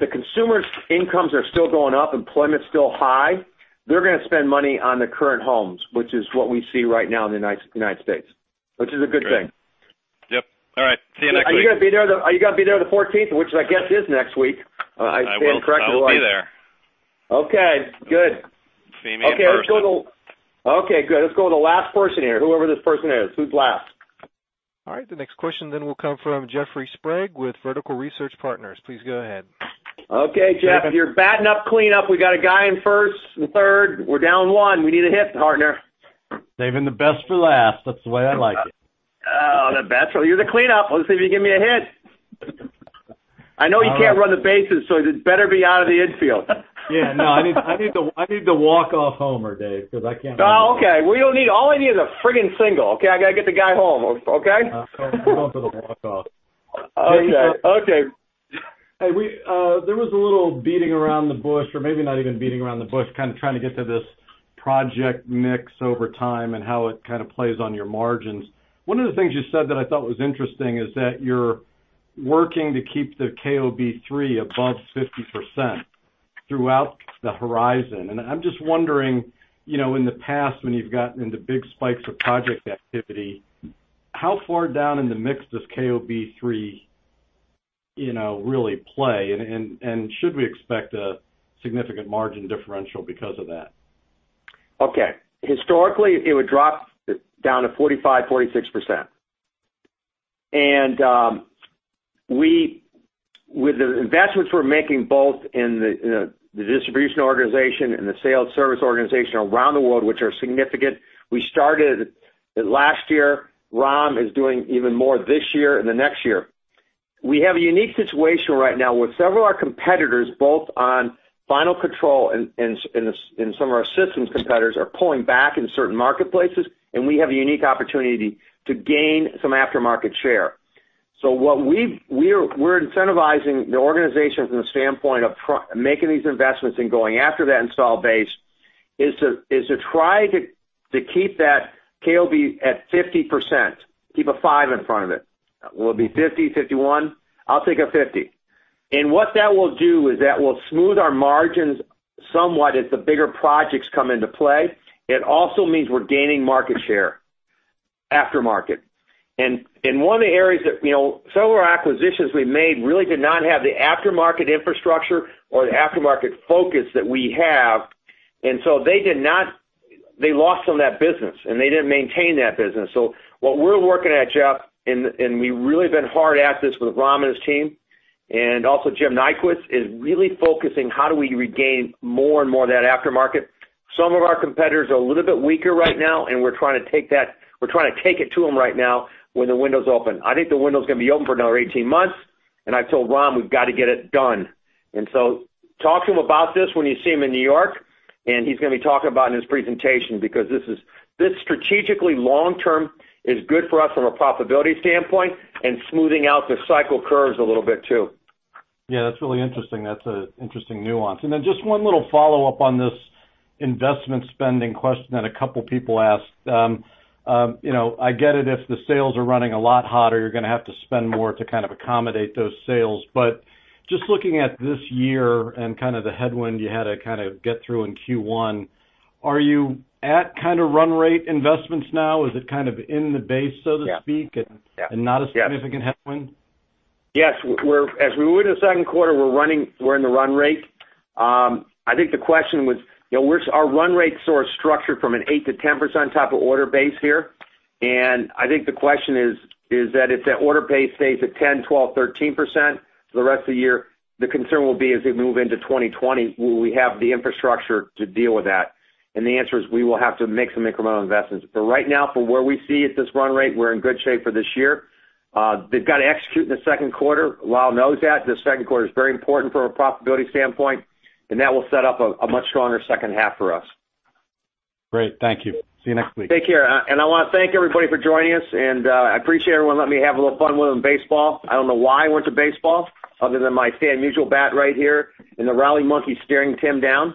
Speaker 3: consumers' incomes are still going up, employment's still high, they're going to spend money on the current homes, which is what we see right now in the United States, which is a good thing.
Speaker 16: Yep. All right. See you next week.
Speaker 3: Are you going to be there on the 14th, which I guess is next week? If I stand corrected.
Speaker 16: I will be there.
Speaker 3: Okay, good.
Speaker 16: See me in person.
Speaker 3: Okay, good. Let's go to the last person here, whoever this person is. Who's last?
Speaker 1: All right. The next question will come from Jeffrey Sprague with Vertical Research Partners. Please go ahead.
Speaker 3: Okay, Jeff, you're batting up cleanup. We got a guy in first and third. We're down one. We need a hit, partner.
Speaker 17: Saving the best for last. That's the way I like it.
Speaker 3: Oh, the best. Well, you're the cleanup. Let's see if you can give me a hit. I know you can't run the bases, it better be out of the infield.
Speaker 17: Yeah, no, I need the walk-off homer, Dave, because I can't.
Speaker 3: Oh, okay. All I need is a freaking single, okay? I got to get the guy home, okay?
Speaker 17: I'm for the walk-off.
Speaker 3: Okay.
Speaker 17: Hey, there was a little beating around the bush, or maybe not even beating around the bush, kind of trying to get to this project mix over time and how it kind of plays on your margins. One of the things you said that I thought was interesting is that you're working to keep the KOB3 above 50% throughout the horizon. I'm just wondering, in the past when you've gotten into big spikes of project activity, how far down in the mix does KOB3 really play? Should we expect a significant margin differential because of that?
Speaker 3: Historically, it would drop down to 45%, 46%. With the investments we're making both in the distribution organization and the sales service organization around the world, which are significant. We started it last year. Ram is doing even more this year and the next year. We have a unique situation right now where several of our competitors, both on Final Control and some of our systems competitors, are pulling back in certain marketplaces, and we have a unique opportunity to gain some aftermarket share. We're incentivizing the organizations from the standpoint of making these investments and going after that install base is to try to keep that KOB at 50%, keep a five in front of it. Will it be 50, 51? I'll take a 50. What that will do is that will smooth our margins somewhat as the bigger projects come into play. It also means we're gaining market share aftermarket. In one of the areas that several acquisitions we made really did not have the aftermarket infrastructure or the aftermarket focus that we have, and so they lost on that business, and they didn't maintain that business. What we're working at, Jeff, and we've really been hard at this with Ram and his team, and also Jim Nyquist, is really focusing how do we regain more and more of that aftermarket. Some of our competitors are a little bit weaker right now, and we're trying to take it to them right now when the window's open. I think the window's going to be open for another 18 months, and I've told Ram we've got to get it done. Talk to him about this when you see him in New York, and he's going to be talking about it in his presentation because this strategically long-term is good for us from a profitability standpoint and smoothing out the cycle curves a little bit too.
Speaker 17: Yeah, that's really interesting. That's an interesting nuance. Just one little follow-up on this investment spending question that a couple of people asked. I get it if the sales are running a lot hotter, you're going to have to spend more to kind of accommodate those sales. Just looking at this year and kind of the headwind you had to kind of get through in Q1, are you at kind of run rate investments now? Is it kind of in the base, so to speak? Yeah. Not a significant headwind?
Speaker 3: Yes. As we move into the second quarter, we're in the run rate. I think the question was our run rates sort of structured from an 8%-10% type of order base here. I think the question is that if that order base stays at 10%, 12%, 13% for the rest of the year, the concern will be as we move into 2020, will we have the infrastructure to deal with that? The answer is we will have to make some incremental investments. Right now, from where we see at this run rate, we're in good shape for this year. They've got to execute in the second quarter. Lyle knows that. The second quarter is very important from a profitability standpoint, and that will set up a much stronger second half for us.
Speaker 17: Great. Thank you. See you next week.
Speaker 3: Take care. I want to thank everybody for joining us, and I appreciate everyone letting me have a little fun with them baseball. I don't know why I went to baseball other than my Stan Musial bat right here and the rally monkey staring Tim down.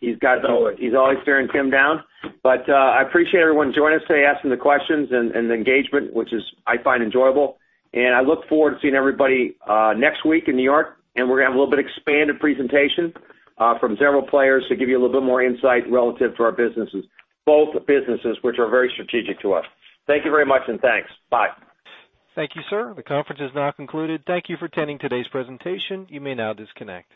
Speaker 3: He's always staring Tim down. I appreciate everyone joining us today, asking the questions and the engagement, which is I find enjoyable. I look forward to seeing everybody next week in New York, and we're going to have a little bit expanded presentation from several players to give you a little bit more insight relative to our businesses, both businesses, which are very strategic to us. Thank you very much, and thanks. Bye.
Speaker 1: Thank you, sir. The conference is now concluded. Thank you for attending today's presentation. You may now disconnect.